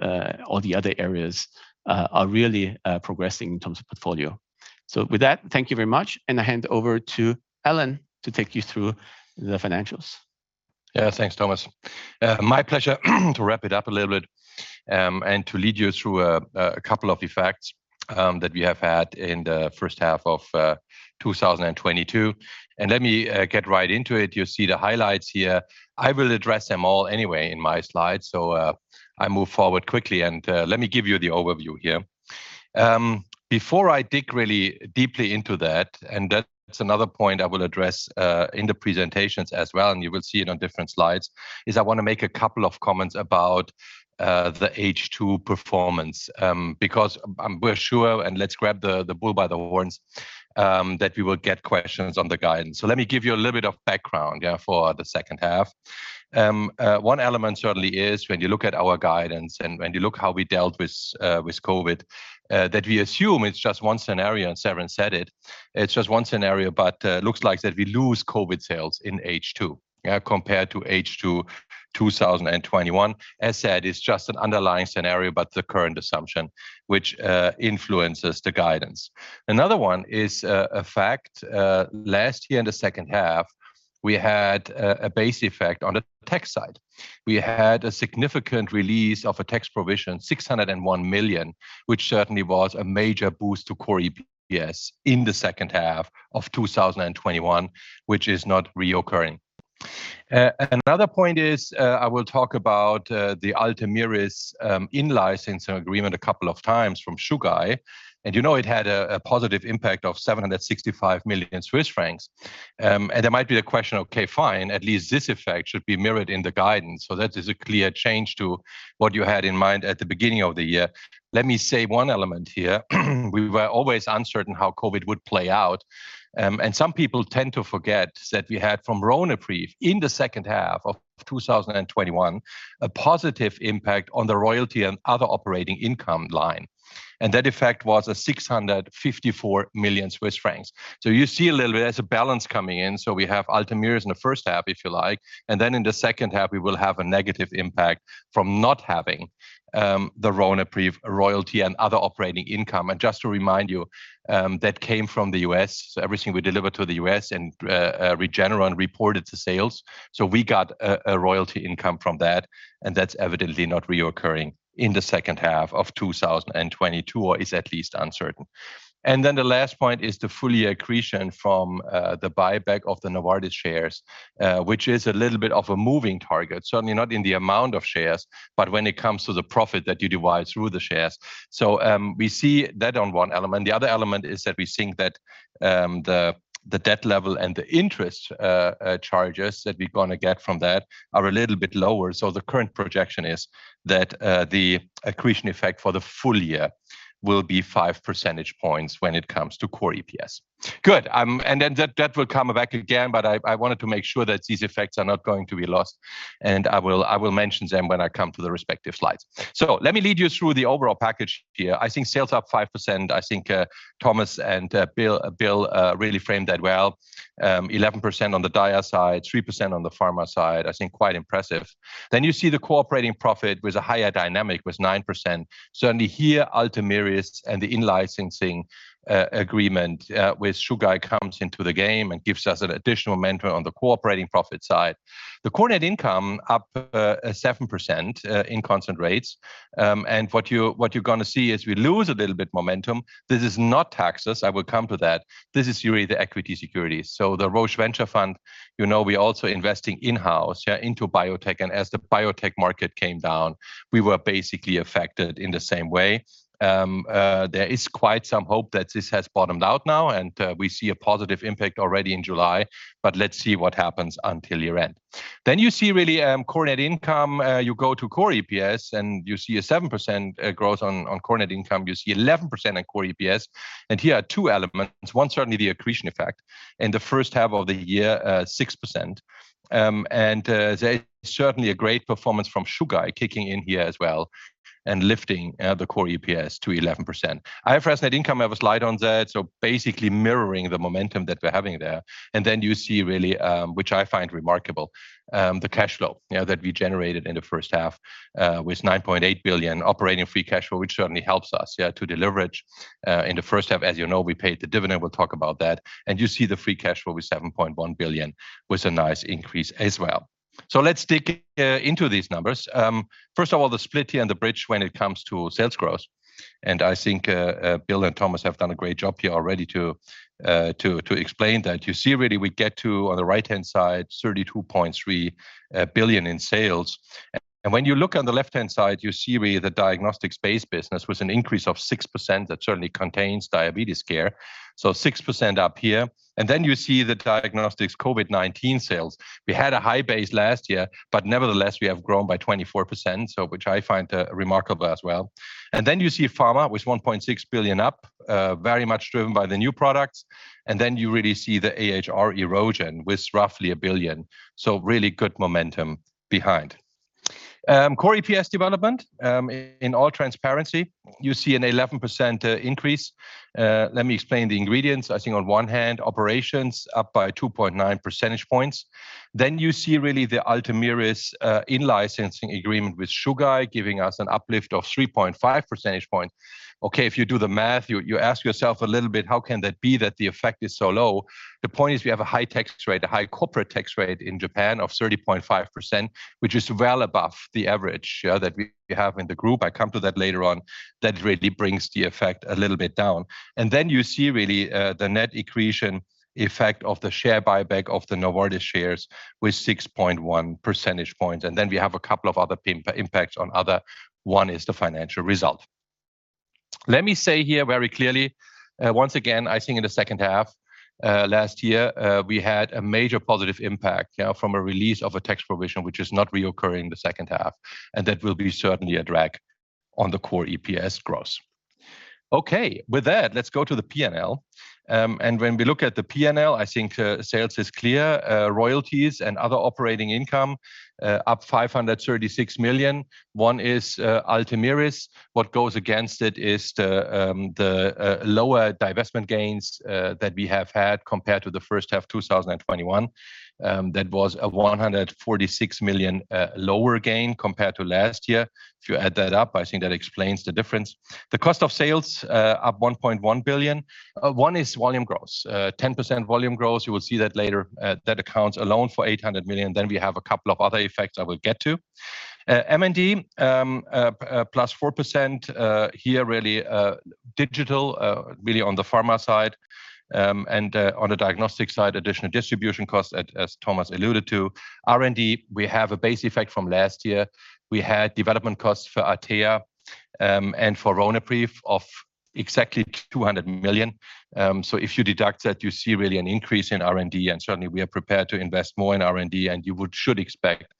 all the other areas are really progressing in terms of portfolio. With that, thank you very much, and I hand over to Alan to take you through the financials. Yeah. Thanks, Thomas. My pleasure to wrap it up a little bit and to lead you through a couple of the facts that we have had in the first half of 2022. Let me get right into it. You see the highlights here. I will address them all anyway in my slides so I move forward quickly, and let me give you the overview here. Before I dig really deeply into that, and that's another point I will address in the presentations as well, and you will see it on different slides, is I wanna make a couple of comments about the H2 performance, because we're sure, and let's grab the bull by the horns, that we will get questions on the guidance. Let me give you a little bit of background for the second half. One element certainly is when you look at our guidance and when you look how we dealt with COVID, that we assume it's just one scenario, and Severin said it's just one scenario, but looks like that we lose COVID sales in H2 compared to H2 2021. As said, it's just an underlying scenario, but the current assumption which influences the guidance. Another one is a fact last year in the second half. We had a base effect on the tax side. We had a significant release of a tax provision, 601 million, which certainly was a major boost to core EPS in the second half of 2021, which is not recurring. Another point is, I will talk about the Ultomiris in-licensing agreement a couple of times from Chugai. You know it had a positive impact of 765 million Swiss francs. There might be a question, okay, fine, at least this effect should be mirrored in the guidance. That is a clear change to what you had in mind at the beginning of the year. Let me say one element here. We were always uncertain how COVID would play out. Some people tend to forget that we had from Ronapreve in the second half of 2021 a positive impact on the royalty and other operating income line. That effect was 654 million Swiss francs. You see a little bit, there's a balance coming in. We have Ultomiris in the first half, if you like, and then in the second half, we will have a negative impact from not having the Ronapreve royalty and other operating income. Just to remind you, that came from the U.S.. Everything we delivered to the U.S. and Regeneron reported as sales. We got a royalty income from that, and that's evidently not recurring in the second half of 2022, or is at least uncertain. Then the last point is the full year accretion from the buyback of the Novartis shares, which is a little bit of a moving target, certainly not in the amount of shares, but when it comes to the profit that you divide by the shares. We see that on one element. The other element is that we think that the debt level and the interest charges that we're gonna get from that are a little bit lower. The current projection is that the accretion effect for the full year will be 5 percentage points when it comes to core EPS. Good. That will come back again, but I wanted to make sure that these effects are not going to be lost, and I will mention them when I come to the respective slides. Let me lead you through the overall package here. I think sales up 5%. I think Thomas and Bill really framed that well. 11% on the Diagnostics side, 3% on the pharma side. I think quite impressive. You see the core operating profit with a higher dynamic, with 9%. Certainly here, Ultomiris and the in-licensing agreement with Chugai comes into the game and gives us an additional margin on the core operating profit side. The core net income up 7% in constant rates. What you're gonna see is we lose a little bit momentum. This is not taxes. I will come to that. This is really the equity security. So the Roche Venture Fund, you know we're also investing in-house, yeah, into biotech. And as the biotech market came down, we were basically affected in the same way. There is quite some hope that this has bottomed out now, and we see a positive impact already in July, but let's see what happens until year-end. You see really core net income. You go to core EPS, and you see a 7% growth on core net income. You see 11% on core EPS. Here are two elements. One, certainly the accretion effect. In the first half of the year, 6%. There's certainly a great performance from Chugai kicking in here as well and lifting the core EPS to 11%. IFRS net income, I have a slide on that, so basically mirroring the momentum that we're having there. You see really, which I find remarkable, the cash flow, you know, that we generated in the first half, with 9.8 billion operating free cash flow, which certainly helps us to deliver it. In the first half, as you know, we paid the dividend. We'll talk about that. You see the free cash flow with 7.1 billion was a nice increase as well. Let's dig into these numbers. First of all, the split here and the bridge when it comes to sales growth. I think Bill and Thomas have done a great job here already to explain that. You see really we get to, on the right-hand side, 32.3 billion in sales. When you look on the left-hand side, you see really the diagnostics base business with an increase of 6%. That certainly contains diabetes care. 6% up here. Then you see the diagnostics COVID-19 sales. We had a high base last year, but nevertheless, we have grown by 24%, which I find remarkable as well. You see pharma with 1.6 billion up, very much driven by the new products. You really see the AHR erosion with roughly 1 billion. Really good momentum behind core EPS development. In all transparency, you see an 11% increase. Let me explain the ingredients. I think on one hand, operations up by 2.9 percentage points. You see really the Ultomiris in-licensing agreement with Chugai giving us an uplift of 3.5 percentage points. Okay, if you do the math, you ask yourself a little bit, how can that be that the effect is so low? The point is we have a high tax rate, a high corporate tax rate in Japan of 30.5%, which is well above the average that we have in the group. I come to that later on. That really brings the effect a little bit down. Then you see really the net accretion effect of the share buyback of the Novartis shares with 6.1 percentage points. Then we have a couple of other impacts on other. One is the financial result. Let me say here very clearly, once again, I think in the second half last year we had a major positive impact from a release of a tax provision which is not recurring the second half, and that will be certainly a drag on the core EPS growth. Okay. With that, let's go to the P&L. When we look at the P&L, I think sales is clear. Royalties and other operating income up 536 million. One is Ultomiris. What goes against it is the lower divestment gains that we have had compared to the first half, 2021. That was a 146 million lower gain compared to last year. If you add that up, I think that explains the difference. The cost of sales up 1.1 billion. One is volume growth. 10% volume growth, you will see that later. That accounts alone for 800 million, then we have a couple of other effects I will get to. M&D +4%, here really digital, really on the pharma side. On the diagnostic side, additional distribution costs as Thomas alluded to. R&D, we have a base effect from last year. We had development costs for Atea and for Ronapreve of exactly 200 million. So if you deduct that, you see really an increase in R&D, and certainly we are prepared to invest more in R&D, and you should expect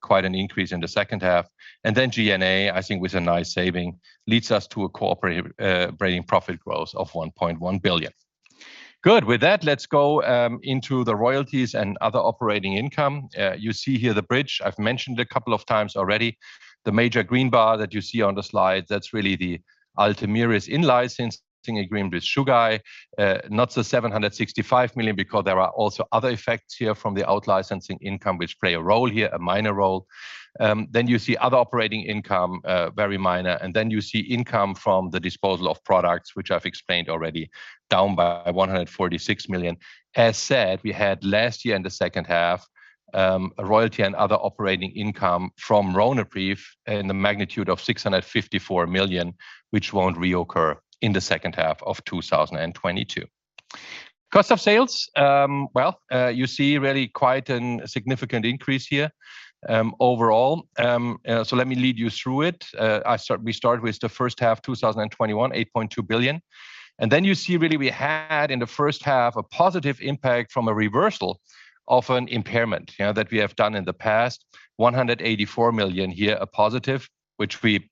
quite an increase in the second half. Then G&A, I think with a nice saving, leads us to a core operating profit growth of 1.1 billion. Good. With that, let's go into the royalties and other operating income. You see here the bridge I've mentioned a couple of times already. The major green bar that you see on the slide, that's really the Ultomiris in-licensing agreement with Chugai. Not the 765 million because there are also other effects here from the out-licensing income which play a role here, a minor role. You see other operating income, very minor, and you see income from the disposal of products, which I've explained already, down by 146 million. As said, we had last year in the second half, a royalty and other operating income from Ronapreve in the magnitude of 654 million, which won't reoccur in the second half of 2022. Cost of sales, well, you see really quite a significant increase here, overall. Let me lead you through it. We start with the first half 2021, 8.2 billion. You see really we had in the first half a positive impact from a reversal of an impairment, you know, that we have done in the past. 184 million here, a positive, which we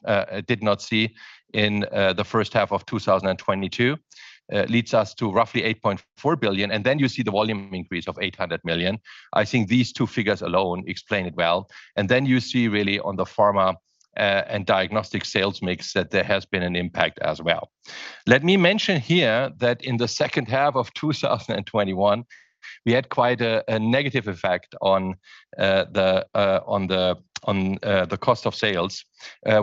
did not see in the first half of 2022. Leads us to roughly 8.4 billion, and then you see the volume increase of 800 million. I think these two figures alone explain it well. Then you see really on the pharma and diagnostic sales mix that there has been an impact as well. Let me mention here that in the second half of 2021, we had quite a negative effect on the cost of sales,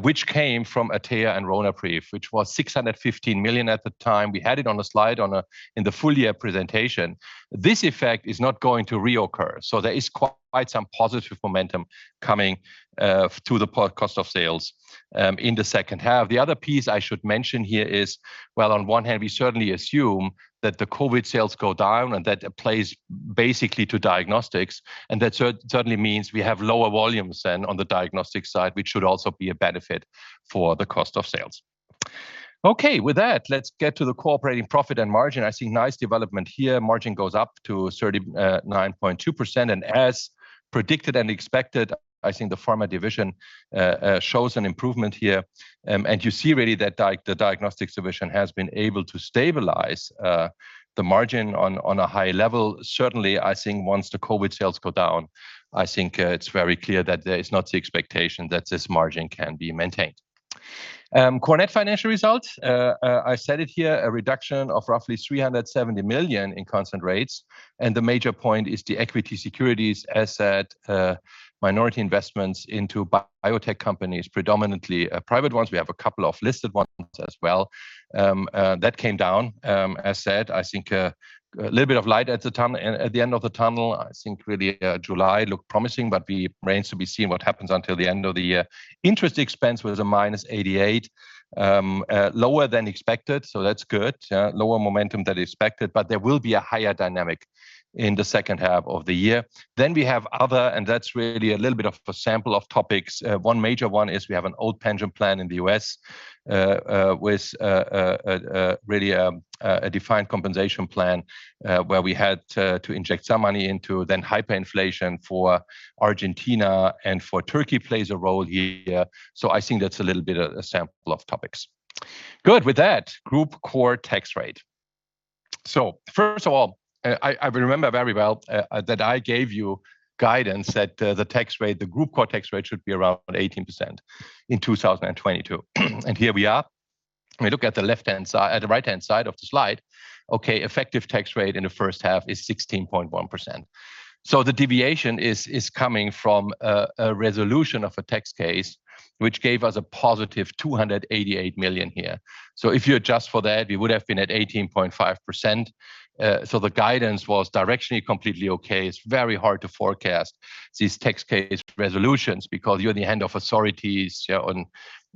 which came from Atea and Ronapreve, which was 615 million at the time. We had it on the slide in the full-year presentation. This effect is not going to reoccur. There is quite some positive momentum coming to the cost of sales in the second half. The other piece I should mention here is, while on one hand we certainly assume that the COVID sales go down and that applies basically to diagnostics, and that certainly means we have lower volumes than on the diagnostic side, which should also be a benefit for the cost of sales. Okay, with that, let's get to the core operating profit and margin. I see nice development here. Margin goes up to 39.2%. As predicted and expected, I think the pharma division shows an improvement here. You see really that the diagnostics division has been able to stabilize the margin on a high level. Certainly, I think once the COVID sales go down, I think, it's very clear that there is not the expectation that this margin can be maintained. Core net financial results, I said it here, a reduction of roughly 370 million in constant rates. The major point is the equity securities asset, minority investments into biotech companies, predominantly, private ones. We have a couple of listed ones as well. That came down. As said, I think, a little bit of light at the end of the tunnel. I think really, July looked promising but remains to be seen what happens until the end of the year. Interest expense was a -88 million, lower than expected, so that's good. Lower momentum than expected, but there will be a higher dynamic in the second half of the year. We have other, and that's really a little bit of a sample of topics. One major one is we have an old pension plan in the U.S. with a really defined compensation plan where we had to inject some money into. Hyperinflation for Argentina and for Turkey plays a role here. I think that's a little bit of a sample of topics. Good. With that, group core tax rate. First of all, I remember very well that I gave you guidance that the tax rate, the group core tax rate should be around 18% in 2022. Here we are. When we look at the right-hand side of the slide, effective tax rate in the first half is 16.1%. The deviation is coming from a resolution of a tax case which gave us a positive 288 million here. If you adjust for that, we would have been at 18.5%. The guidance was directionally completely okay. It's very hard to forecast these tax case resolutions because you're at the hands of authorities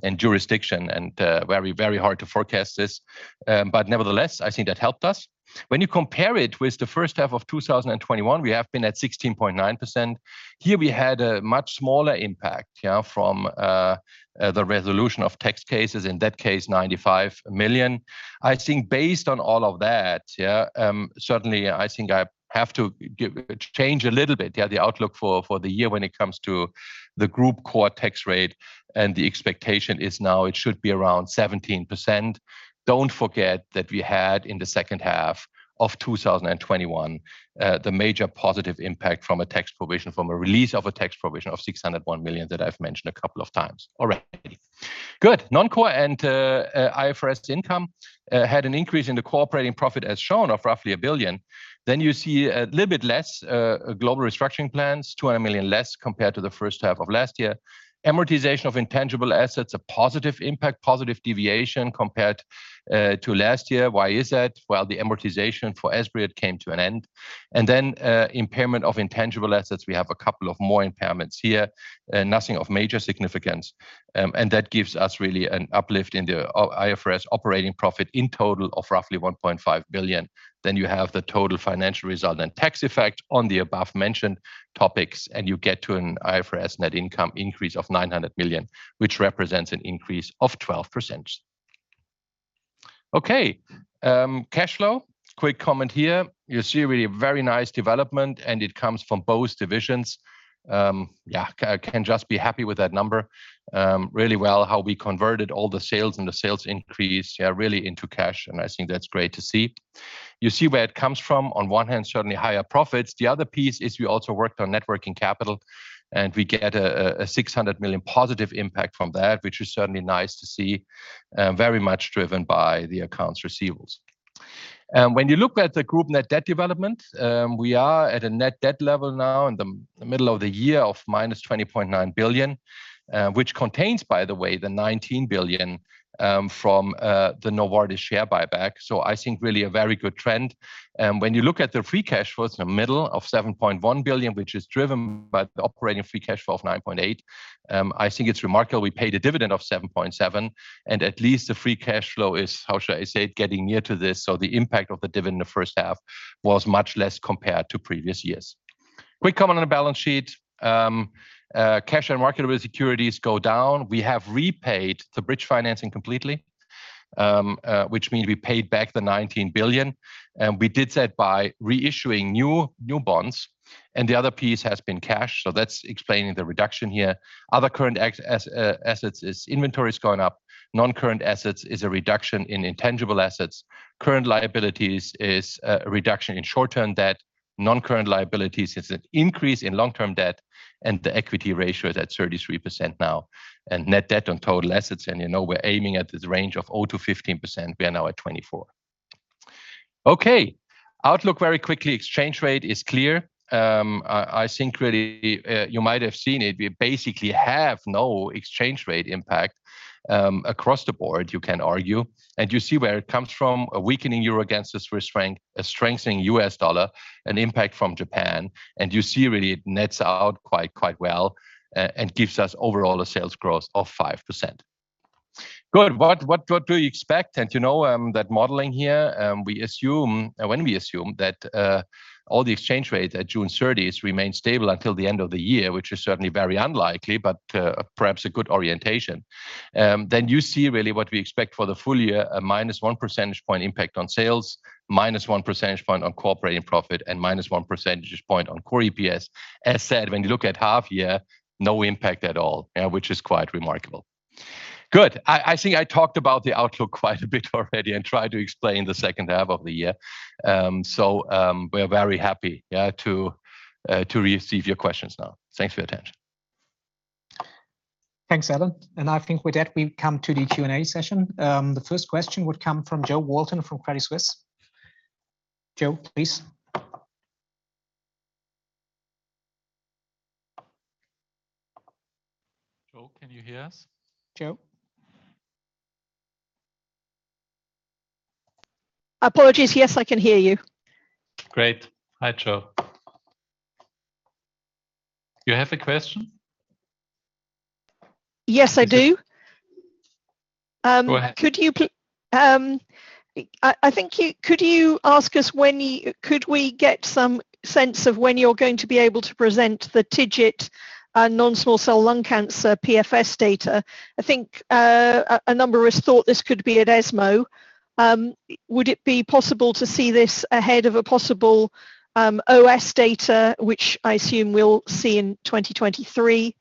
and jurisdiction and very hard to forecast this. Nevertheless, I think that helped us. When you compare it with the first half of 2021, we have been at 16.9%. Here we had a much smaller impact, you know, from the resolution of tax cases, in that case, 95 million. I think based on all of that, yeah, certainly I think I have to change a little bit, yeah, the outlook for the year when it comes to the group core tax rate, and the expectation is now it should be around 17%. Don't forget that we had in the second half of 2021 the major positive impact from a tax provision, from a release of a tax provision of 601 million that I've mentioned a couple of times already. Good. Non-core and IFRS income had an increase in the core operating profit as shown of roughly 1 billion. You see a little bit less global restructuring plans, 200 million less compared to the first half of last year. Amortization of intangible assets, a positive impact, positive deviation compared to last year. Why is that? Well, the amortization for Esbriet came to an end. Impairment of intangible assets, we have a couple of more impairments here, nothing of major significance. That gives us really an uplift in the IFRS operating profit in total of roughly 1.5 billion. You have the total financial result and tax effect on the above-mentioned topics, and you get to an IFRS net income increase of 900 million, which represents an increase of 12%. Cash flow. Quick comment here. You see really a very nice development, and it comes from both divisions. Yeah, can just be happy with that number, really well how we converted all the sales and the sales increase, yeah, really into cash, and I think that's great to see. You see where it comes from. On one hand, certainly higher profits. The other piece is we also worked on working capital, and we get a 600 million positive impact from that, which is certainly nice to see, very much driven by the accounts receivable. When you look at the Group net debt development, we are at a net debt level now in the middle of the year of -20.9 billion, which contains, by the way, the 19 billion from the Novartis share buyback. I think really a very good trend. When you look at the free cash flows in the middle of 7.1 billion, which is driven by the operating free cash flow of 9.8 billion, I think it's remarkable we paid a dividend of 7.7 billion, and at least the free cash flow is, how should I say, getting near to this. The impact of the dividend in the first half was much less compared to previous years. Quick comment on the balance sheet. Cash and marketable securities go down. We have repaid the bridge financing completely, which means we paid back the 19 billion. We did that by reissuing new bonds, and the other piece has been cash. That's explaining the reduction here. Other current assets is inventories going up. Non-current assets is a reduction in intangible assets. Current liabilities is a reduction in short-term debt. Non-current liabilities is an increase in long-term debt, and the equity ratio is at 33% now. Net debt on total assets, you know we're aiming at the range of 0%-15%, we are now at 24%. Okay. Outlook, very quickly. Exchange rate is clear. I think really, you might have seen it, we basically have no exchange rate impact, across the board, you can argue. You see where it comes from, a weakening euro against the Swiss franc, a strengthening U.S. dollar, an impact from Japan. You see really it nets out quite well, and gives us overall a sales growth of 5%. Good. What do you expect? You know, that modeling here, we assume that all the exchange rates at June thirtieth remain stable until the end of the year, which is certainly very unlikely, but perhaps a good orientation, then you see really what we expect for the full year, a -1 percentage point impact on sales, -1 percentage point on core operating profit, and -1 percentage point on core EPS. As said, when you look at half year, no impact at all, which is quite remarkable. Good. I think I talked about the outlook quite a bit already and tried to explain the second half of the year. We're very happy, yeah, to receive your questions now. Thanks for your attention. Thanks, Alan. I think with that, we come to the Q&A session. The first question would come from Jo Walton from Credit Suisse. Jo, please. Jo, can you hear us? Jo? Apologies. Yes, I can hear you. Great. Hi, Jo. You have a question? Yes, I do. Go ahead. Could we get some sense of when you're going to be able to present the TIGIT non-small cell lung cancer PFS data? I think a number of us thought this could be at ESMO. Would it be possible to see this ahead of a possible OS data, which I assume we'll see in 2023?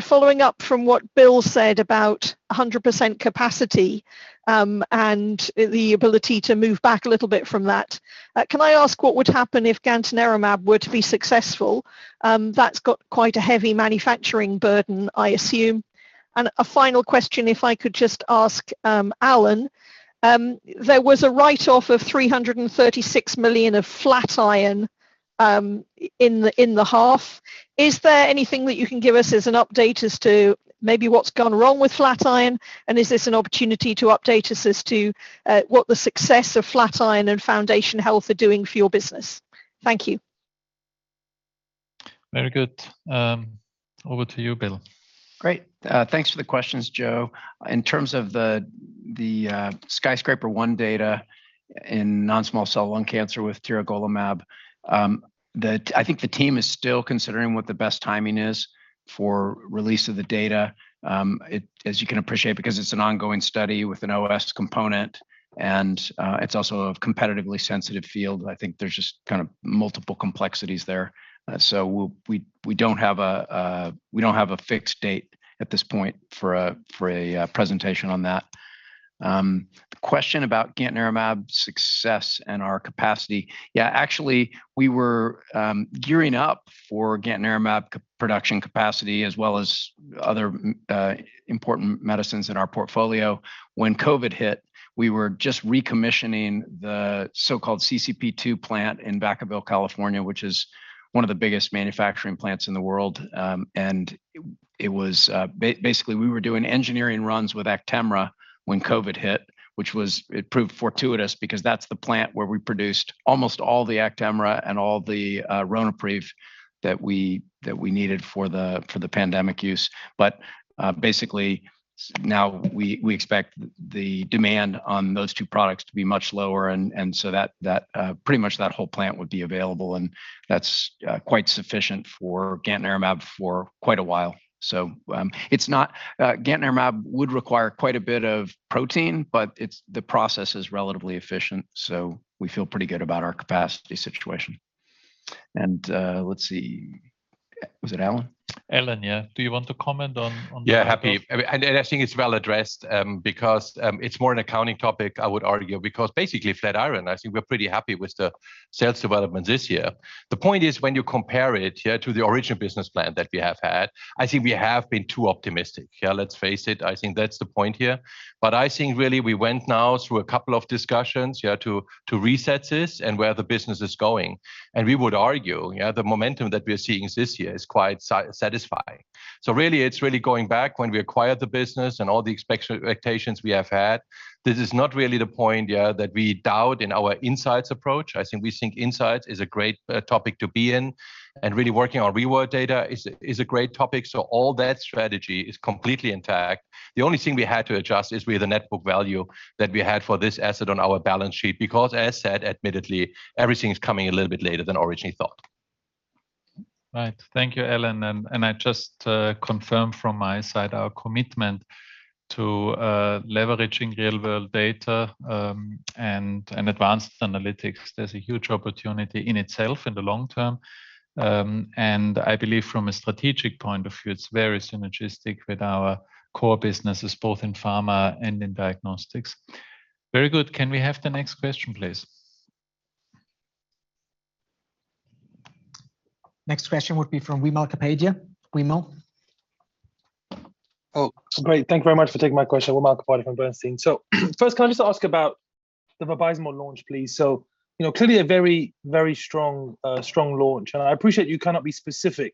Following up from what Bill said about 100% capacity and the ability to move back a little bit from that, can I ask what would happen if gantenerumab were to be successful? That's got quite a heavy manufacturing burden, I assume. A final question, if I could just ask Alan. There was a write-off of 336 million of Flatiron Health in the half. Is there anything that you can give us as an update as to maybe what's gone wrong with Flatiron Health? Is this an opportunity to update us as to what the success of Flatiron Health and Foundation Medicine are doing for your business? Thank you. Very good. Over to you, Bill. Great. Thanks for the questions, Jo. In terms of the SKYSCRAPER-01 data in non-small cell lung cancer with tiragolumab, I think the team is still considering what the best timing is for release of the data. As you can appreciate, because it's an ongoing study with an OS component, and it's also a competitively sensitive field, I think there's just kind of multiple complexities there. So we don't have a fixed date at this point for a presentation on that. The question about gantenerumab success and our capacity. Yeah, actually, we were gearing up for gantenerumab co-production capacity as well as other important medicines in our portfolio when COVID hit. We were just recommissioning the so-called CCP-2 plant in Vacaville, California, which is one of the biggest manufacturing plants in the world, and it was. Basically, we were doing engineering runs with Actemra when COVID hit. It proved fortuitous because that's the plant where we produced almost all the Actemra and all the Ronapreve that we needed for the pandemic use. Basically, now we expect the demand on those two products to be much lower and so that pretty much that whole plant would be available, and that's quite sufficient for gantenerumab for quite a while. Gantenerumab would require quite a bit of protein, but the process is relatively efficient, so we feel pretty good about our capacity situation. Let's see. Was it Alan? Alan, yeah. Do you want to comment on the- Yeah, happy. I mean, I think it's well addressed, because it's more an accounting topic, I would argue, because basically Flatiron. I think we're pretty happy with the sales development this year. The point is when you compare it, yeah, to the original business plan that we have had, I think we have been too optimistic. Yeah, let's face it. I think that's the point here. I think really we went now through a couple of discussions, yeah, to reset this and where the business is going. We would argue, yeah, the momentum that we are seeing this year is quite satisfying. Really it's going back when we acquired the business and all the expectations we have had. This is not really the point, yeah, that we doubt in our insights approach. I think insights is a great topic to be in, and really working on real world data is a great topic, so all that strategy is completely intact. The only thing we had to adjust is with the net book value that we had for this asset on our balance sheet because as said, admittedly, everything is coming a little bit later than originally thought. Right. Thank you, Alan. I just confirm from my side our commitment to leveraging real-world data and advanced analytics. There's a huge opportunity in itself in the long term. I believe from a strategic point of view, it's very synergistic with our core businesses both in pharma and in diagnostics. Very good. Can we have the next question, please? Next question would be from Wimal Kapadia. Wimal? Oh, great. Thank you very much for taking my question. Wimal Kapadia from AB Bernstein. First, can I just ask about the Vabysmo launch, please? You know, clearly a very, very strong launch. I appreciate you cannot be specific,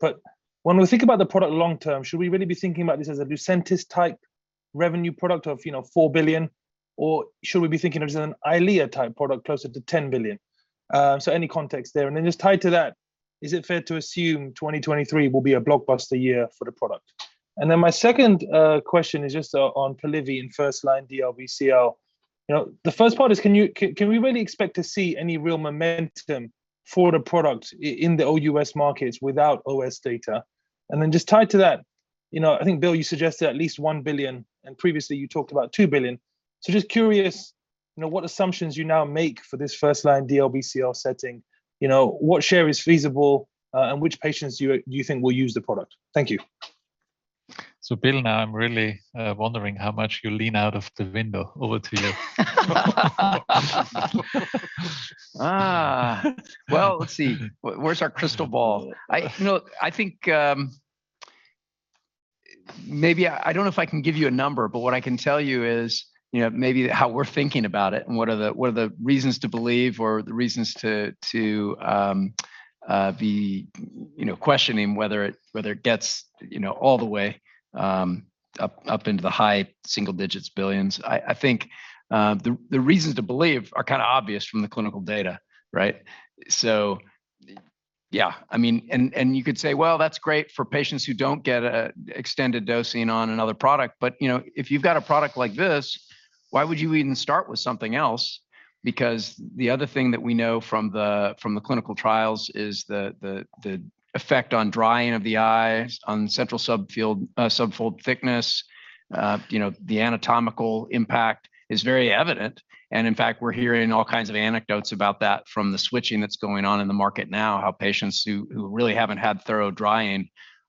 but when we think about the product long term, should we really be thinking about this as a Lucentis-type revenue product of, you know, 4 billion, or should we be thinking of as an Eylea-type product closer to 10 billion? Any context there? Then just tied to that, is it fair to assume 2023 will be a blockbuster year for the product? Then my second question is just on Polivy in first-line DLBCL. You know, the first part is can we really expect to see any real momentum for the product in the OUS markets without OS data? Just tied to that, you know, I think, Bill, you suggested at least 1 billion, and previously you talked about 2 billion. Just curious, you know, what assumptions you now make for this first-line DLBCL setting. You know, what share is feasible, and which patients do you think will use the product? Thank you. Bill, now I'm really wondering how much you lean out of the window. Over to you. Well, let's see. Where's our crystal ball? No, I think maybe I don't know if I can give you a number, but what I can tell you is, you know, maybe how we're thinking about it and what are the reasons to believe or the reasons to be, you know, questioning whether it gets, you know, all the way up into the high single digits billions. I think the reasons to believe are kind of obvious from the clinical data, right? Yeah. I mean, you could say, well, that's great for patients who don't get an extended dosing on another product, but, you know, if you've got a product like this, why would you even start with something else? Because the other thing that we know from the clinical trials is the effect on drying of the eyes, on central subfield subfoveal thickness, you know, the anatomical impact is very evident. In fact, we're hearing all kinds of anecdotes about that from the switching that's going on in the market now, how patients who really haven't had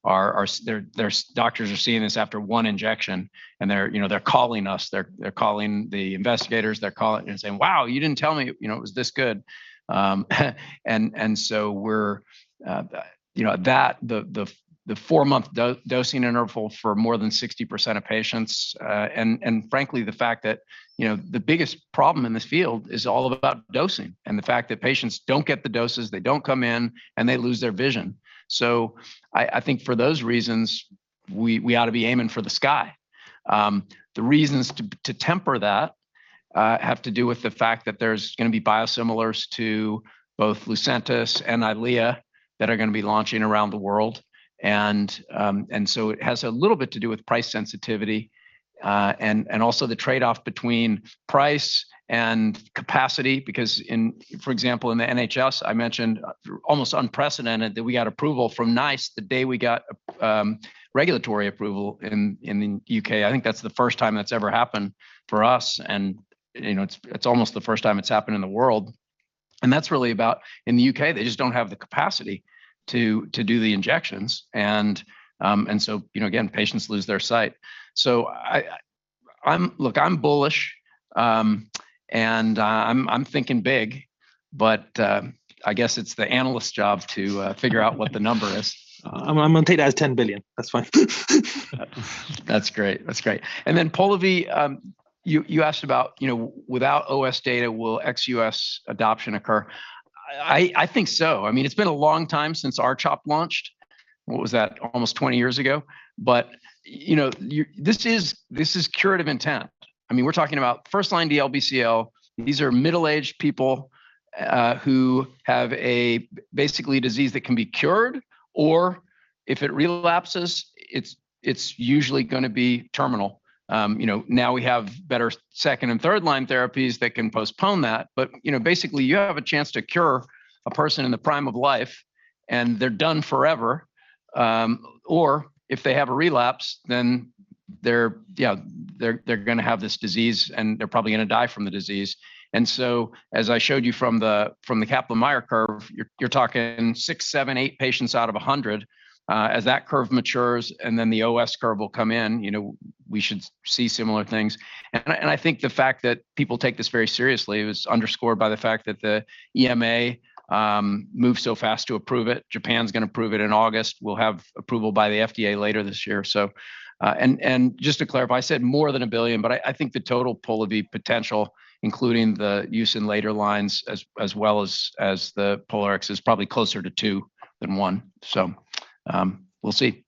thorough drying are. Their doctors are seeing this after one injection, and they're, you know, calling us, calling the investigators, and saying, "Wow, you didn't tell me, you know, it was this good." The four-month dosing interval for more than 60% of patients, frankly, the fact that, you know, the biggest problem in this field is all about dosing and the fact that patients don't get the doses, they don't come in, and they lose their vision. I think for those reasons, we ought to be aiming for the sky. The reasons to temper that have to do with the fact that there's gonna be biosimilars to both Lucentis and Eylea that are gonna be launching around the world, and so it has a little bit to do with price sensitivity, and also the trade-off between price and capacity because in, for example, in the NHS, I mentioned, almost unprecedented, that we got approval from NICE the day we got regulatory approval in the U.K.. I think that's the first time that's ever happened for us, and, you know, it's almost the first time it's happened in the world. That's really about in the U.K., they just don't have the capacity to do the injections. You know, again, patients lose their sight. Look, I'm bullish, and I'm thinking big, but I guess it's the analyst's job to figure out what the number is. I'm gonna take that as 10 billion. That's fine. That's great. And then Polivy, you asked about, you know, without OS data, will ex-U.S. adoption occur? I think so. I mean, it's been a long time since R-CHOP launched. What was that? Almost 20 years ago. You know, this is curative intent. I mean, we're talking about first-line DLBCL. These are middle-aged people who have a basically disease that can be cured, or if it relapses, it's usually gonna be terminal. You know, now we have better second and third line therapies that can postpone that. You know, basically, you have a chance to cure a person in the prime of life, and they're done forever. Or if they have a relapse, then they're gonna have this disease, and they're probably gonna die from the disease. As I showed you from the Kaplan-Meier curve, you're talking six, seven, eight patients out of a hundred as that curve matures, and then the OS curve will come in. You know, we should see similar things. I think the fact that people take this very seriously is underscored by the fact that the EMA moved so fast to approve it. Japan's gonna approve it in August. We'll have approval by the FDA later this year. Just to clarify, I said more than a billion, but I think the total Polivy potential, including the use in later lines as well as the Polivy is probably closer to two than one. We'll see.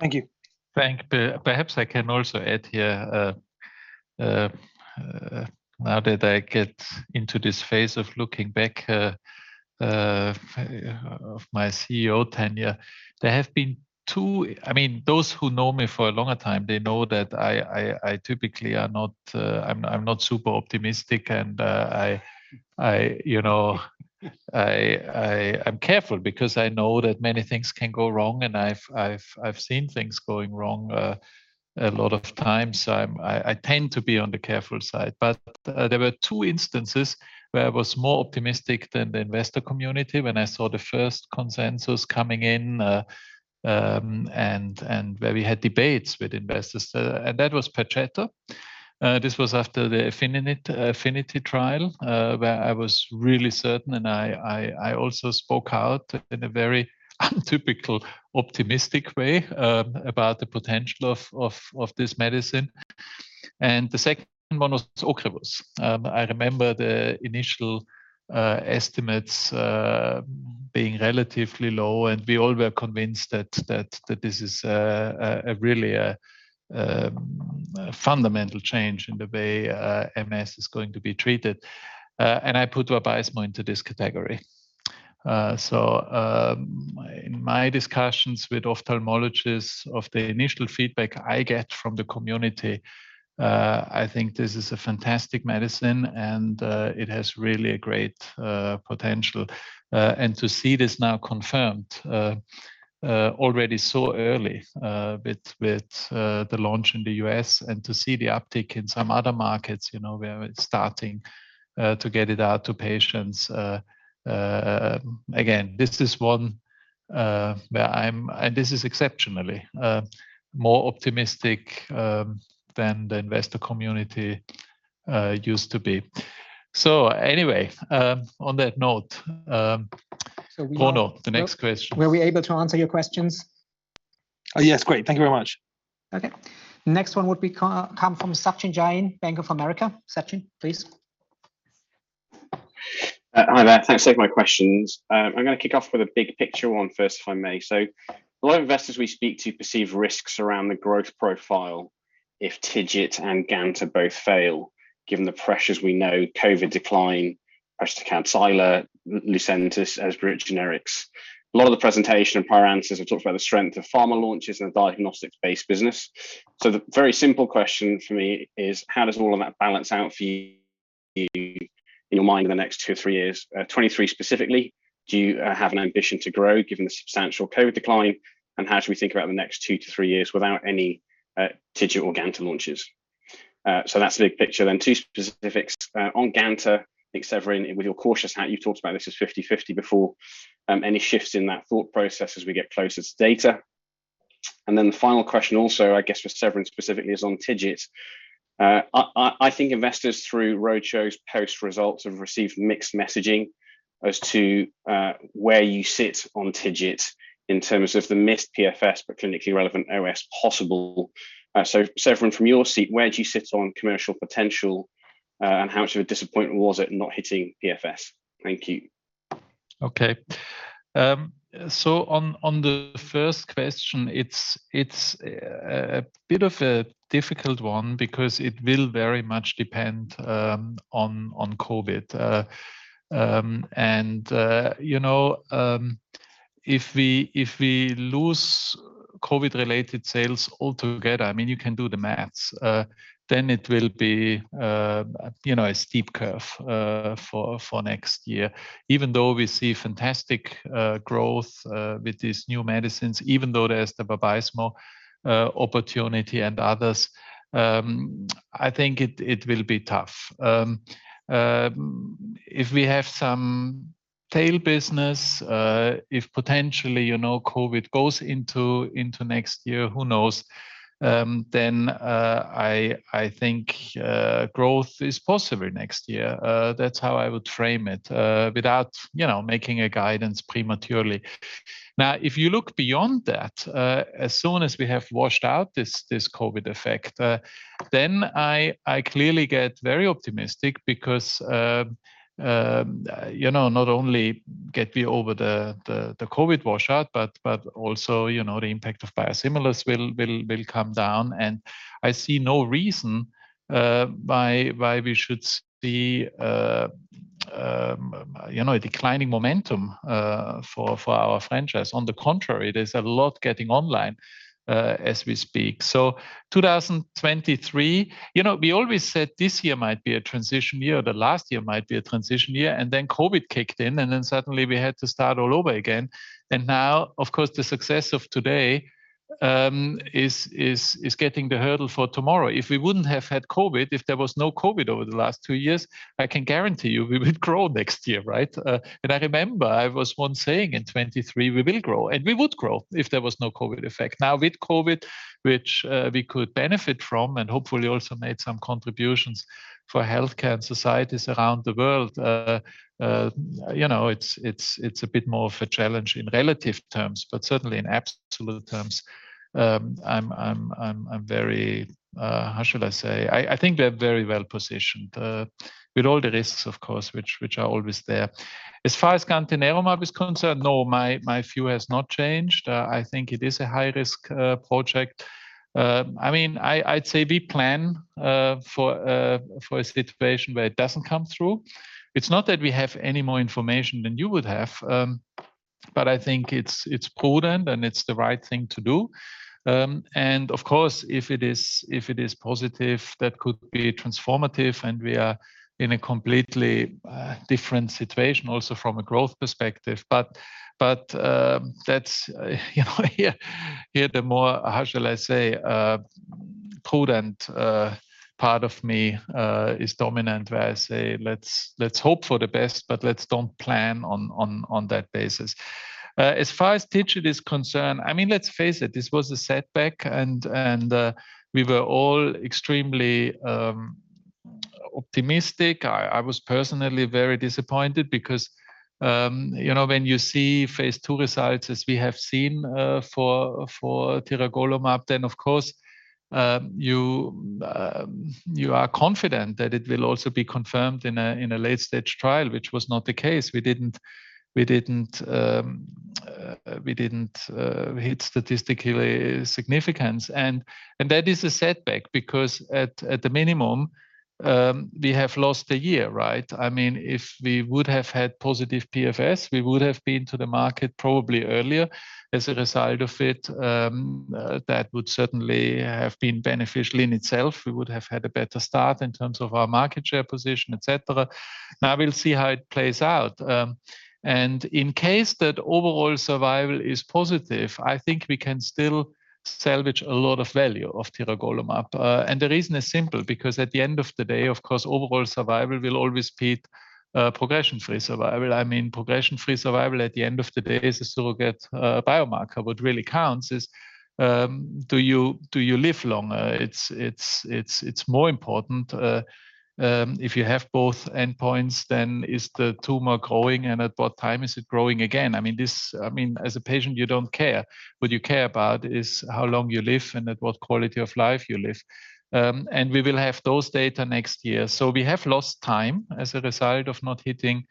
Thank you. Thank you. Perhaps I can also add here, now that I get into this phase of looking back, of my CEO tenure, there have been two. I mean, those who know me for a longer time, they know that I typically are not, I'm not super optimistic and, you know, I'm careful because I know that many things can go wrong and I've seen things going wrong a lot of times. I tend to be on the careful side. There were two instances where I was more optimistic than the investor community when I saw the first consensus coming in, and where we had debates with investors. That was Perjeta. This was after the affinity trial, where I was really certain and I also spoke out in a very untypical, optimistic way, about the potential of this medicine. The second one was Ocrevus. I remember the initial estimates being relatively low, and we all were convinced that this is a really fundamental change in the way MS is going to be treated. I put Vabysmo into this category. In my discussions with ophthalmologists on the initial feedback I get from the community, I think this is a fantastic medicine and it has really a great potential. To see this now confirmed already so early with the launch in the U.S. and to see the uptick in some other markets, you know, where it's starting to get it out to patients, again, this is one where I'm exceptionally more optimistic than the investor community used to be. Anyway, on that note, Bruno, the next question. Were we able to answer your questions? Yes. Great. Thank you very much. Okay. Next one would come from Sachin Jain, Bank of America. Sachin, please. Hi there. Thanks for taking my questions. I'm gonna kick off with a big picture one first, if I may. A lot of investors we speak to perceive risks around the growth profile if TIGIT and gantenerumab both fail, given the pressures we know, COVID decline, pressure to count Xolair, Lucentis as bridge generics. A lot of the presentation and prior answers have talked about the strength of pharma launches and the diagnostics-based business. The very simple question for me is how does all of that balance out for you in your mind in the next two, three years? 2023 specifically, do you have an ambition to grow given the substantial COVID decline? How should we think about the next two to three years without any TIGIT or gantenerumab launches? That's the big picture. Two specifics. On gantenerumab, I think, Severin, with your cautious hat, you've talked about this as 50/50 before, any shifts in that thought process as we get closer to data. Then the final question also, I guess, for Severin specifically is on TIGIT. I think investors through roadshows, post results have received mixed messaging as to where you sit on TIGIT in terms of the missed PFS, but clinically relevant OS possible. Severin, from your seat, where do you sit on commercial potential, and how sort of disappointing was it not hitting PFS? Thank you. Okay. So on the first question, it's a bit of a difficult one because it will very much depend on COVID. You know, if we lose COVID-related sales altogether, I mean, you can do the math, then it will be you know a steep curve for next year. Even though we see fantastic growth with these new medicines, even though there's the Vabysmo opportunity and others, I think it will be tough. If we have some tail business, if potentially you know COVID goes into next year, who knows? I think growth is possible next year. That's how I would frame it without you know making a guidance prematurely. Now, if you look beyond that, as soon as we have washed out this COVID effect, then I clearly get very optimistic because, you know, not only get we over the COVID washout, but also, you know, the impact of biosimilars will come down. I see no reason why we should see, you know, a declining momentum for our franchise. On the contrary, there's a lot getting online, as we speak. 2023, you know, we always said this year might be a transition year, that last year might be a transition year, and then COVID kicked in, and then suddenly we had to start all over again. Now, of course, the success of today is getting the hurdle for tomorrow. If we wouldn't have had COVID, if there was no COVID over the last two years, I can guarantee you we would grow next year, right? I remember I was once saying in 2023 we will grow, and we would grow if there was no COVID effect. Now with COVID, which we could benefit from and hopefully also made some contributions for healthcare and societies around the world, you know, it's a bit more of a challenge in relative terms. Certainly in absolute terms, I'm very... How should I say? I think we're very well-positioned with all the risks, of course, which are always there. As far as gantenerumab is concerned, no, my view has not changed. I think it is a high-risk project. I mean, I'd say we plan for a situation where it doesn't come through. It's not that we have any more information than you would have, but I think it's prudent, and it's the right thing to do. Of course, if it is positive, that could be transformative and we are in a completely different situation also from a growth perspective. That's you know here the more how shall I say prudent part of me is dominant where I say, "Let's hope for the best, but let's don't plan on that basis." As far as Tecentriq is concerned, I mean, let's face it, this was a setback and we were all extremely optimistic. I was personally very disappointed because, you know, when you see phase II results as we have seen for tiragolumab, then of course you are confident that it will also be confirmed in a late-stage trial, which was not the case. We didn't hit statistical significance. That is a setback because at the minimum we have lost a year, right? I mean, if we would have had positive PFS, we would have been to the market probably earlier. As a result of it, that would certainly have been beneficial in itself. We would have had a better start in terms of our market share position, et cetera. Now we'll see how it plays out. In case that overall survival is positive, I think we can still salvage a lot of value of tiragolumab. The reason is simple, because at the end of the day, of course, overall survival will always beat progression-free survival. I mean, progression-free survival at the end of the day is a surrogate biomarker. What really counts is, do you live longer? It's more important if you have both endpoints, then is the tumor growing and at what time is it growing again? I mean, as a patient, you don't care. What you care about is how long you live and at what quality of life you live. We will have those data next year. We have lost time as a result of not hitting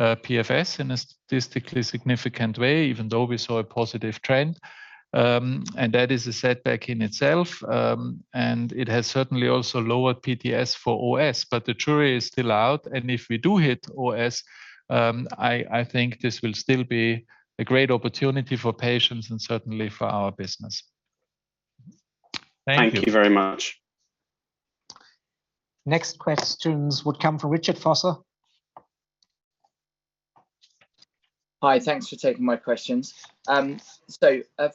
PFS in a statistically significant way, even though we saw a positive trend. That is a setback in itself. It has certainly also lowered PTS for OS. The jury is still out, and if we do hit OS, I think this will still be a great opportunity for patients and certainly for our business. Thank you. Thank you very much. Next questions would come from Richard Vosser. Hi. Thanks for taking my questions.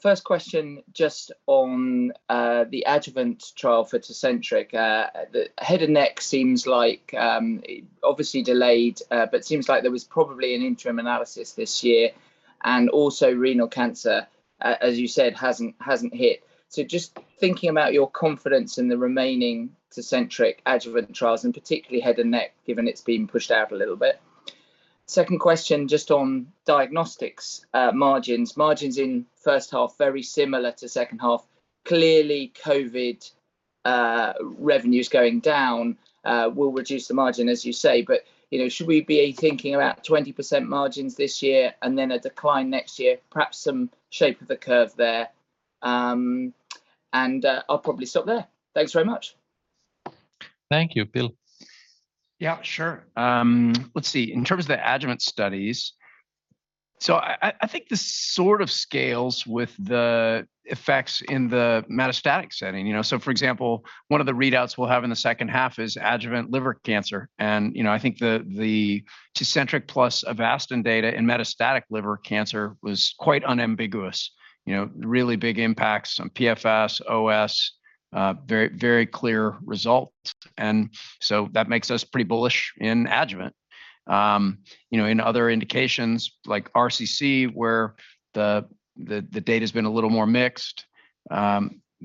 First question just on the adjuvant trial for Tecentriq. The head and neck seems like obviously delayed, but seems like there was probably an interim analysis this year. Also renal cancer, as you said, hasn't hit. Just thinking about your confidence in the remaining Tecentriq adjuvant trials, and particularly head and neck, given it's been pushed out a little bit. Second question, just on diagnostics margins. Margins in first half very similar to second half. Clearly COVID revenues going down will reduce the margin, as you say. You know, should we be thinking about 20% margins this year and then a decline next year? Perhaps some shape of the curve there. I'll probably stop there. Thanks very much. Thank you. Bill? Yeah, sure. Let's see. In terms of the adjuvant studies. I think this sort of scales with the effects in the metastatic setting. You know? For example, one of the readouts we'll have in the second half is adjuvant liver cancer, and, you know, I think the Tecentriq plus Avastin data in metastatic liver cancer was quite unambiguous. You know? Really big impacts on PFS, OS, very, very clear result. That makes us pretty bullish in adjuvant. You know, in other indications like RCC where the data's been a little more mixed,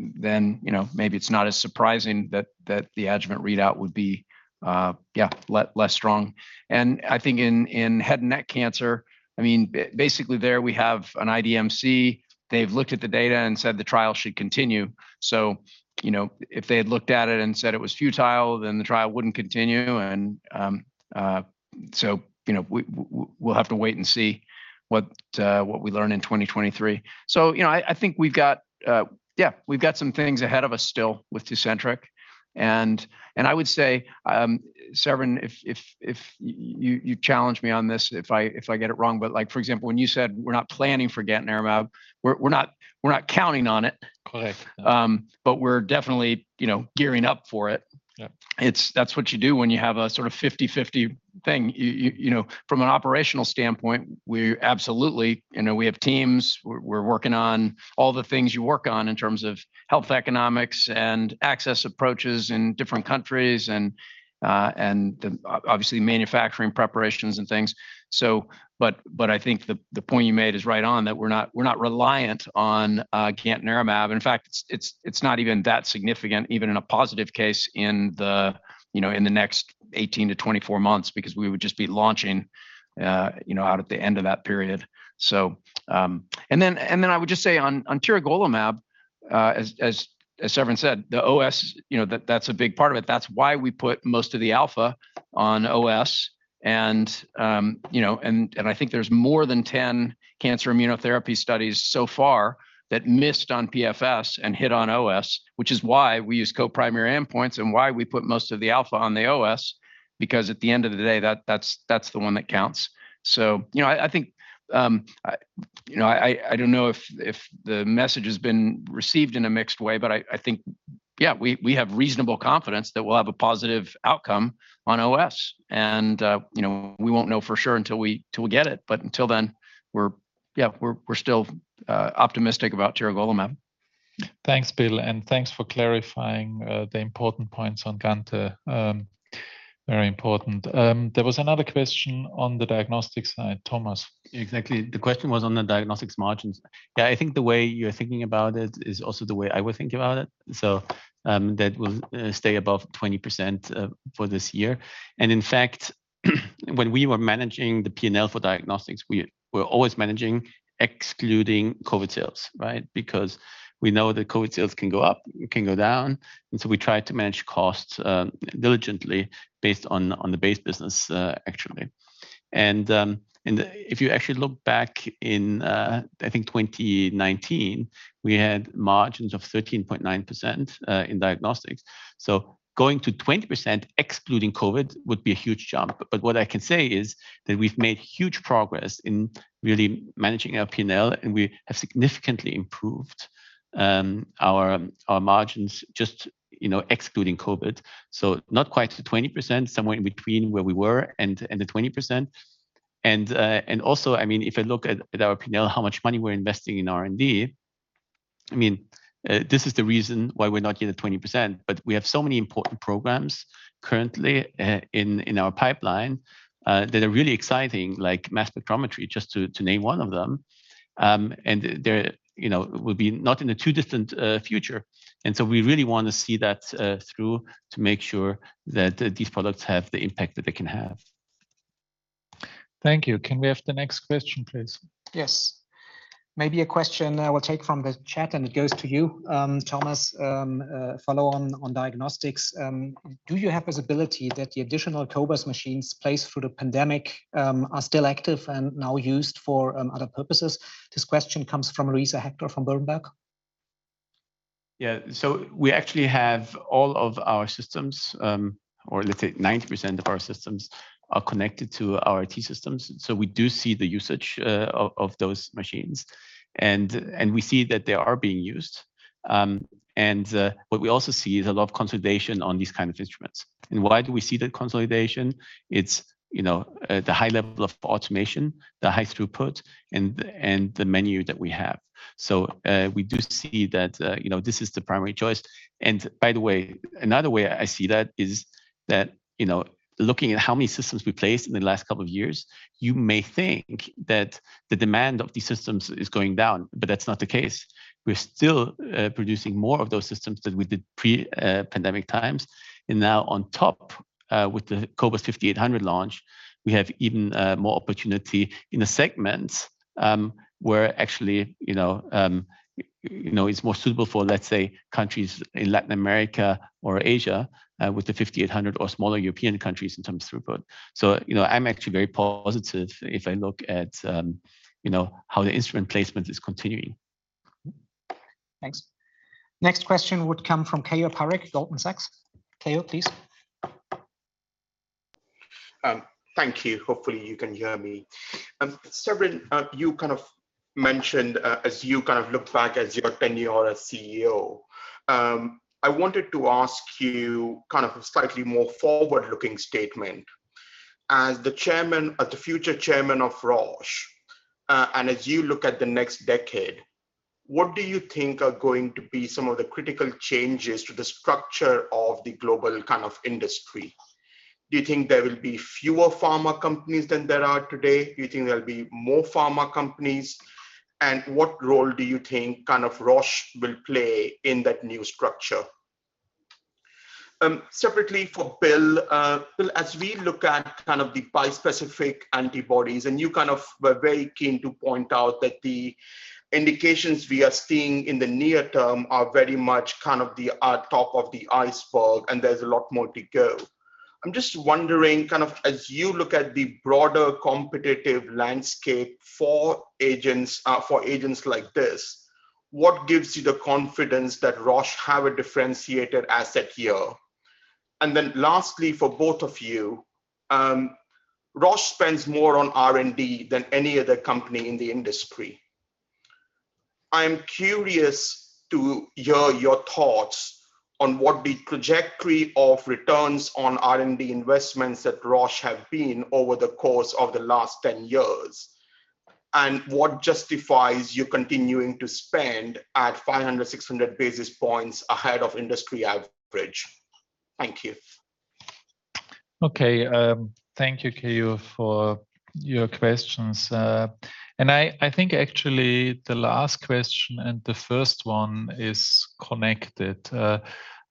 then, you know, maybe it's not as surprising that the adjuvant readout would be, yeah, less strong. I think in head and neck cancer, I mean, basically there we have an IDMC. They've looked at the data and said the trial should continue. You know, if they had looked at it and said it was futile, then the trial wouldn't continue, and we'll have to wait and see what we learn in 2023. You know, I think we've got some things ahead of us still with Tecentriq, and I would say, Severin, if you challenge me on this if I get it wrong, but like, for example, when you said we're not planning for gantenerumab, we're not counting on it. Correct We're definitely, you know, gearing up for it. Yep. That's what you do when you have a sort of 50/50 thing. You know, from an operational standpoint, we absolutely. You know, we have teams. We're working on all the things you work on in terms of health economics and access approaches in different countries and obviously manufacturing preparations and things. I think the point you made is right on, that we're not reliant on gantenerumab. In fact, it's not even that significant even in a positive case in the next 18-24 months because we would just be launching out at the end of that period. And then I would just say on tiragolumab, as Severin said, the OS, you know, that's a big part of it. That's why we put most of the alpha on OS and, you know, I think there's more than 10 cancer immunotherapy studies so far that missed on PFS and hit on OS, which is why we use co-primary endpoints and why we put most of the alpha on the OS because at the end of the day, that's the one that counts. You know, I think I don't know if the message has been received in a mixed way, but I think, yeah, we have reasonable confidence that we'll have a positive outcome on OS. You know, we won't know for sure until we get it, but until then we're still optimistic about tiragolumab. Thanks, Bill, and thanks for clarifying the important points on gantenerumab. Very important. There was another question on the diagnostics side. Thomas. Exactly. The question was on the Diagnostics margins. Yeah, I think the way you're thinking about it is also the way I was thinking about it. That will stay above 20% for this year. In fact, when we were managing the P&L for Diagnostics, we were always managing excluding COVID sales, right? Because we know that COVID sales can go up, can go down, and so we try to manage costs diligently based on the base business, actually. If you actually look back in, I think 2019, we had margins of 13.9% in Diagnostics. Going to 20% excluding COVID would be a huge jump. what I can say is that we've made huge progress in really managing our P&L, and we have significantly improved our margins just, you know, excluding COVID. Not quite to 20%, somewhere in between where we were and the 20%. I mean, if I look at our P&L, how much money we're investing in R&D, I mean, this is the reason why we're not yet at 20%, but we have so many important programs currently in our pipeline that are really exciting like mass spectrometry, just to name one of them. They're, you know, will be not in the too distant future. We really wanna see that through to make sure that these products have the impact that they can have. Thank you. Can we have the next question, please? Yes. Maybe a question I will take from the chat, and it goes to you, Thomas, follow on diagnostics. Do you have visibility that the additional Cobas machines placed through the pandemic are still active and now used for other purposes? This question comes from Luisa Hector from Berenberg. Yeah. We actually have all of our systems, or let's say 90% of our systems are connected to our IT systems. We do see the usage of those machines and we see that they are being used. What we also see is a lot of consolidation on these kind of instruments. Why do we see the consolidation? It's, you know, the high level of automation, the high throughput, and the menu that we have. We do see that, you know, this is the primary choice. By the way, another way I see that is that, you know, looking at how many systems we placed in the last couple of years, you may think that the demand for these systems is going down, but that's not the case. We're still producing more of those systems than we did pre pandemic times. Now on top with the cobas 5800 launch, we have even more opportunity in the segments where actually you know it's more suitable for, let's say, countries in Latin America or Asia with the 5800 or smaller European countries in terms of throughput. You know, I'm actually very positive if I look at you know how the instrument placement is continuing. Thanks. Next question would come from Keyur Parekh, Goldman Sachs. Keyur, please. Thank you. Hopefully, you can hear me. Severin, you kind of mentioned, as you kind of look back at your tenure as CEO, I wanted to ask you kind of a slightly more forward-looking statement. As the chairman or the future chairman of Roche, and as you look at the next decade, what do you think are going to be some of the critical changes to the structure of the global kind of industry? Do you think there will be fewer pharma companies than there are today? Do you think there'll be more pharma companies? And what role do you think kind of Roche will play in that new structure? Separately for Bill, as we look at kind of the bispecific antibodies, and you kind of were very keen to point out that the indications we are seeing in the near term are very much kind of the top of the iceberg, and there's a lot more to go. I'm just wondering, kind of as you look at the broader competitive landscape for agents like this, what gives you the confidence that Roche have a differentiated asset here? Then lastly, for both of you, Roche spends more on R&D than any other company in the industry. I'm curious to hear your thoughts on what the trajectory of returns on R&D investments at Roche have been over the course of the last 10 years, and what justifies you continuing to spend at 500, 600 basis points ahead of industry average. Thank you. Okay. Thank you, Keyur, for your questions. I think actually the last question and the first one is connected.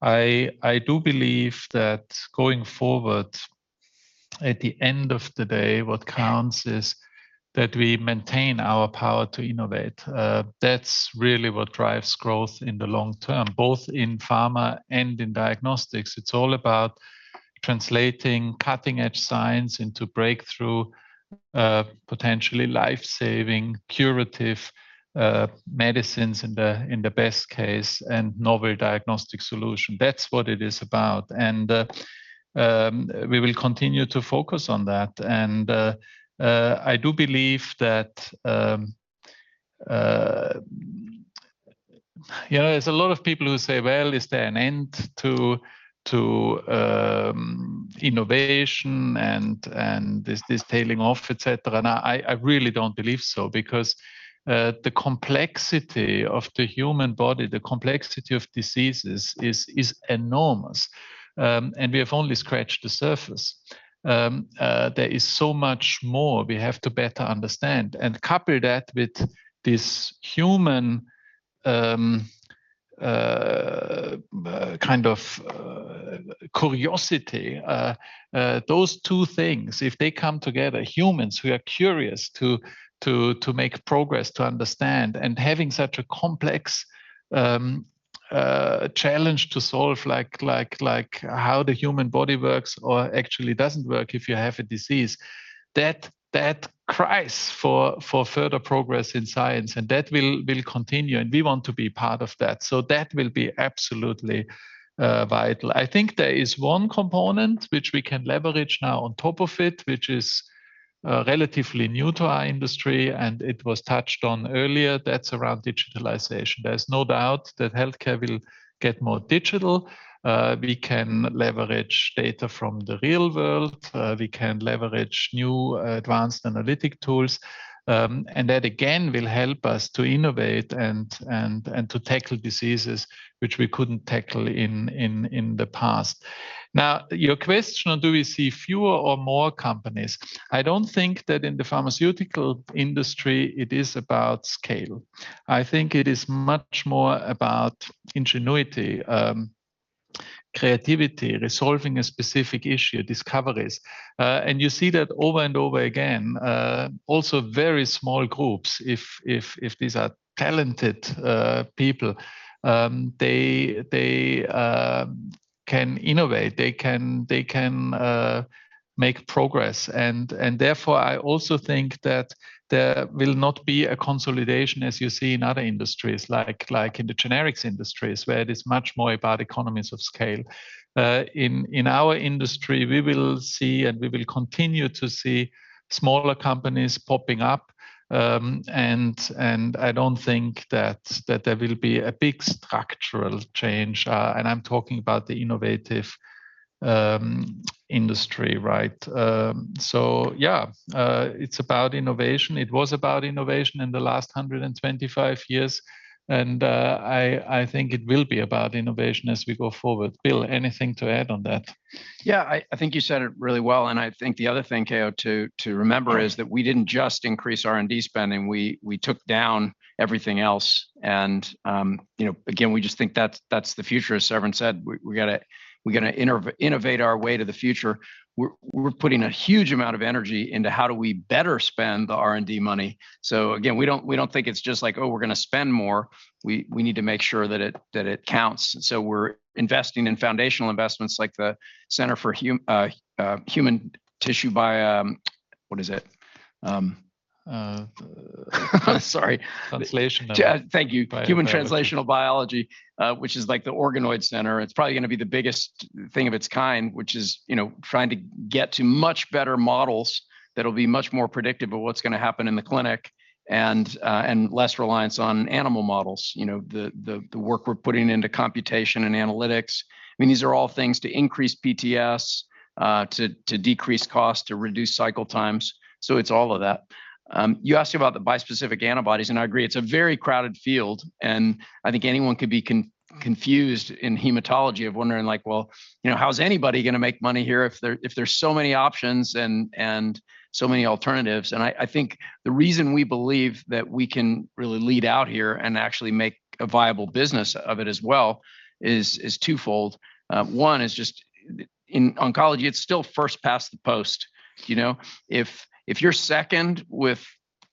I do believe that going forward, at the end of the day, what counts is that we maintain our power to innovate. That's really what drives growth in the long term, both in pharma and in diagnostics. It's all about translating cutting-edge science into breakthrough potentially life-saving curative medicines in the best case, and novel diagnostic solution. That's what it is about. We will continue to focus on that. I do believe that you know, there's a lot of people who say, "Well, is there an end to innovation and this tailing off," et cetera. I really don't believe so because the complexity of the human body, the complexity of diseases is enormous, and we have only scratched the surface. There is so much more we have to better understand and couple that with this human kind of curiosity. Those two things, if they come together, humans who are curious to make progress, to understand, and having such a complex challenge to solve like how the human body works or actually doesn't work if you have a disease, that cries for further progress in science, and that will continue, and we want to be part of that. That will be absolutely vital. I think there is one component which we can leverage now on top of it, which is relatively new to our industry, and it was touched on earlier. That's around digitalization. There's no doubt that healthcare will get more digital. We can leverage data from the real world. We can leverage new advanced analytic tools. And that again will help us to innovate and to tackle diseases which we couldn't tackle in the past. Now, your question on do we see fewer or more companies, I don't think that in the pharmaceutical industry, it is about scale. I think it is much more about ingenuity, creativity, resolving a specific issue, discoveries. And you see that over and over again. Also very small groups, if these are talented people, they can innovate, they can make progress, and therefore, I also think that there will not be a consolidation as you see in other industries like in the generics industries, where it is much more about economies of scale. In our industry, we will see and we will continue to see smaller companies popping up, and I don't think that there will be a big structural change, and I'm talking about the innovative industry, right? Yeah, it's about innovation. It was about innovation in the last 125 years, and I think it will be about innovation as we go forward. Bill, anything to add on that? I think you said it really well, and I think the other thing, Keyur, to remember is that we didn't just increase R&D spending. We took down everything else, and you know, again, we just think that's the future. As Severin said, we gotta innovate our way to the future. We're putting a huge amount of energy into how do we better spend the R&D money. So again, we don't think it's just like, oh, we're gonna spend more. We need to make sure that it counts. So we're investing in foundational investments like the Center for Human Tissue. What is it? Sorry. Translational. Yeah, thank you. Human Translational Biology, which is like the Organoid Center. It's probably going to be the biggest thing of its kind, which is, you know, trying to get to much better models that'll be much more predictive of what's going to happen in the clinic and less reliance on animal models. You know, the work we're putting into computation and analytics, I mean, these are all things to increase PTS, to decrease cost, to reduce cycle times. It's all of that. You asked about the bispecific antibodies, and I agree, it's a very crowded field, and I think anyone could be confused in hematology of wondering like, well, you know, how's anybody going to make money here if there's so many options and so many alternatives? I think the reason we believe that we can really lead out here and actually make a viable business of it as well is twofold. One is just in oncology, it's still first past the post, you know. If you're second with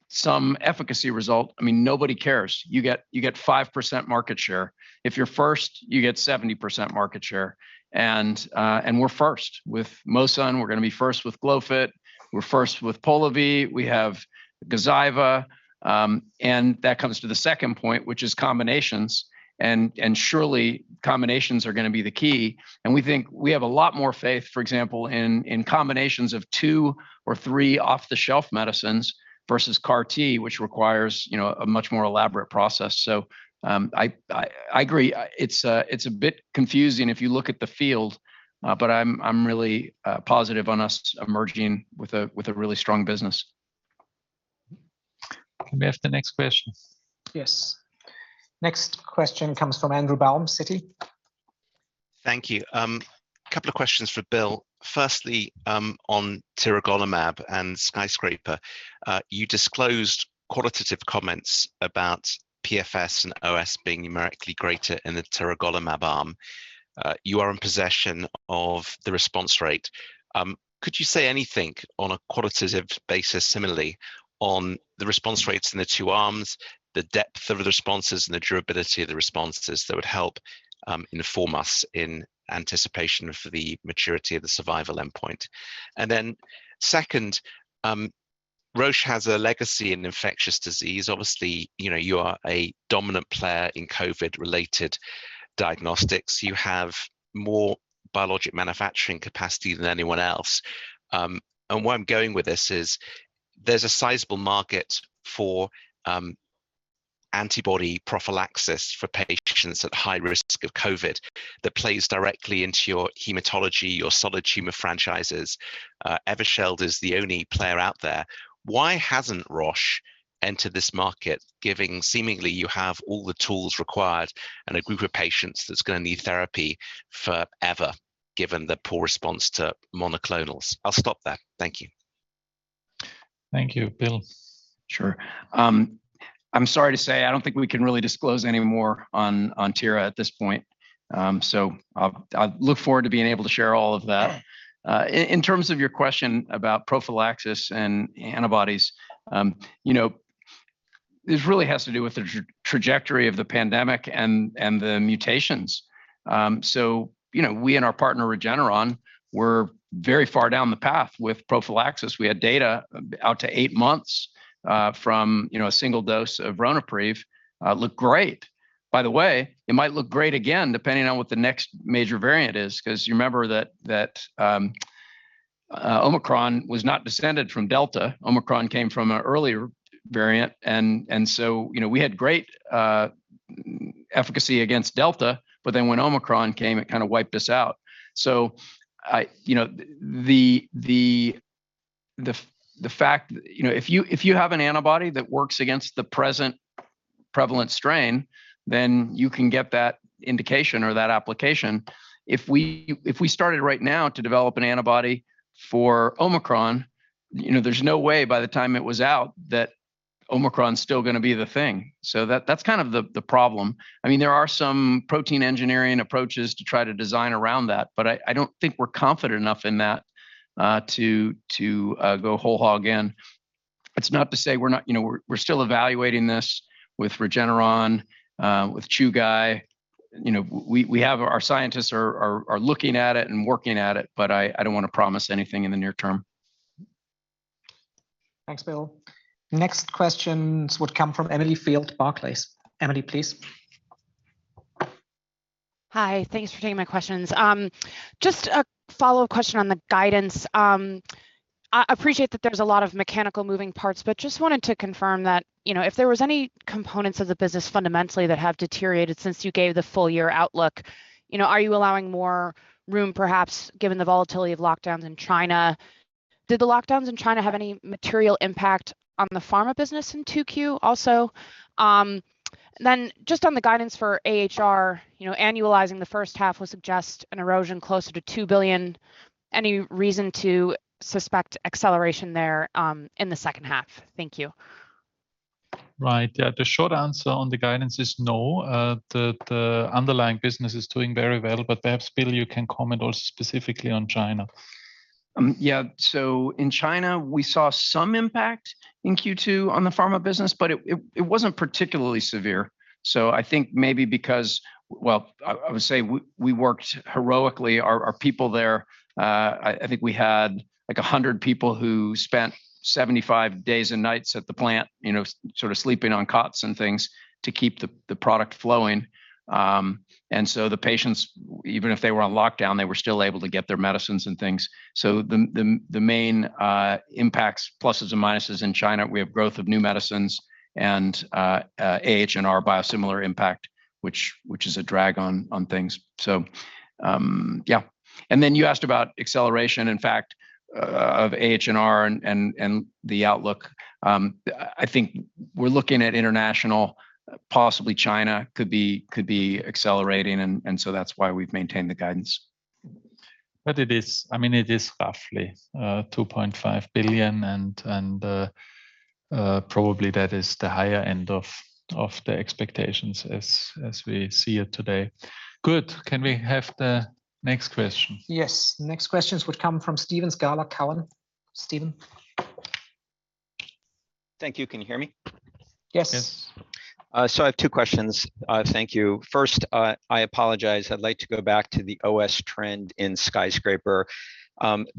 some efficacy result, I mean, nobody cares. You get 5% market share. If you're first, you get 70% market share. We're first with mosunetuzumab. We're going to be first with glofitamab. We're first with Polivy. We have Gazyva. That comes to the second point, which is combinations and surely combinations are going to be the key. We think we have a lot more faith, for example, in combinations of two or three off-the-shelf medicines versus CAR-T, which requires, you know, a much more elaborate process. I agree. It's a bit confusing if you look at the field, but I'm really positive on us emerging with a really strong business. Can we have the next question? Yes. Next question comes from Andrew Baum, Citi. Thank you. A couple of questions for Bill. Firstly, on tiragolumab and SKYSCRAPER. You disclosed qualitative comments about PFS and OS being numerically greater in the tiragolumab arm. You are in possession of the response rate. Could you say anything on a qualitative basis similarly on the response rates in the two arms, the depth of the responses and the durability of the responses that would help inform us in anticipation for the maturity of the survival endpoint? Second, Roche has a legacy in infectious disease. Obviously, you know, you are a dominant player in COVID-related diagnostics. You have more biologic manufacturing capacity than anyone else. Where I'm going with this is there's a sizable market for antibody prophylaxis for patients at high risk of COVID that plays directly into your hematology, your solid tumor franchises. Evusheld is the only player out there. Why hasn't Roche entered this market given, seemingly, you have all the tools required and a group of patients that's going to need therapy forever, given the poor response to monoclonals? I'll stop there. Thank you. Thank you. Bill? Sure. I'm sorry to say, I don't think we can really disclose any more on tiragolumab at this point. So I'll look forward to being able to share all of that. In terms of your question about prophylaxis and antibodies, you know, this really has to do with the trajectory of the pandemic and the mutations. So, you know, we and our partner Regeneron were very far down the path with prophylaxis. We had data out to eight months from a single dose of Ronapreve, looked great. By the way, it might look great again, depending on what the next major variant is, because you remember that Omicron was not descended from Delta. Omicron came from an earlier variant, you know, we had great efficacy against Delta, but then when Omicron came, it kind of wiped us out. I know the fact, you know, if you have an antibody that works against the present prevalent strain, then you can get that indication or that application. If we started right now to develop an antibody for Omicron, you know, there's no way by the time it was out that Omicron's still going to be the thing. That kind of the problem. I mean, there are some protein engineering approaches to try to design around that, but I don't think we're confident enough in that to go whole hog in. It's not to say we're not, you know, we're still evaluating this with Regeneron, with Chugai. You know, we have our scientists are looking at it and working at it, but I don't want to promise anything in the near term. Thanks, Bill. Next questions would come from Emily Field, Barclays. Emily, please. Hi. Thanks for taking my questions. Just a follow-up question on the guidance. I appreciate that there's a lot of mechanical moving parts, but just wanted to confirm that, you know, if there was any components of the business fundamentally that have deteriorated since you gave the full year outlook, you know, are you allowing more room perhaps given the volatility of lockdowns in China? Did the lockdowns in China have any material impact on the pharma business in 2Q also? Then just on the guidance for AHR, you know, annualizing the first half would suggest an erosion closer to 2 billion. Any reason to suspect acceleration there, in the second half? Thank you. Right. Yeah. The short answer on the guidance is no. The underlying business is doing very well, but perhaps, Bill, you can comment specifically on China. Yeah. In China, we saw some impact in Q2 on the pharma business, but it wasn't particularly severe. I think maybe because, well, I would say we worked heroically. Our people there, I think we had like, 100 people who spent 75 days and nights at the plant, you know, sort of sleeping on cots and things to keep the product flowing. The patients, even if they were on lockdown, they were still able to get their medicines and things. The main impacts, pluses and minuses in China, we have growth of new medicines and AHR biosimilar impact, which is a drag on things. Yeah. Then you asked about acceleration, in fact, of AHR and the outlook. I think we're looking at international, possibly China could be accelerating, and so that's why we've maintained the guidance. It is, I mean, it is roughly 2.5 billion and probably that is the higher end of the expectations as we see it today. Good. Can we have the next question? Yes. Next questions would come from Steve Scala, Cowen. Steve? Thank you. Can you hear me? Yes. Yes. I have two questions. Thank you. First, I apologize. I'd like to go back to the OS trend in SKYSCRAPER.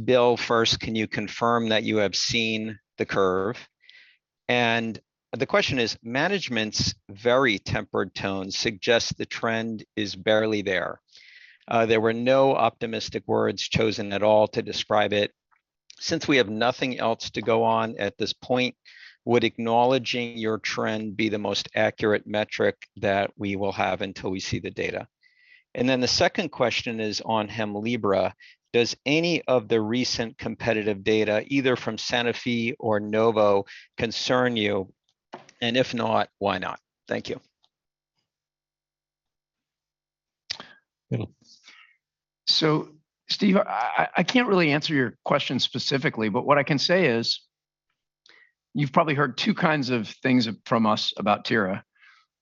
Bill, first, can you confirm that you have seen the curve? The question is, management's very tempered tone suggests the trend is barely there. There were no optimistic words chosen at all to describe it. Since we have nothing else to go on at this point, would acknowledging your trend be the most accurate metric that we will have until we see the data? The second question is on Hemlibra. Does any of the recent competitive data, either from Sanofi or Novo, concern you? And if not, why not? Thank you. Bill? Steve, I can't really answer your question specifically, but what I can say is you've probably heard two kinds of things from us about tira.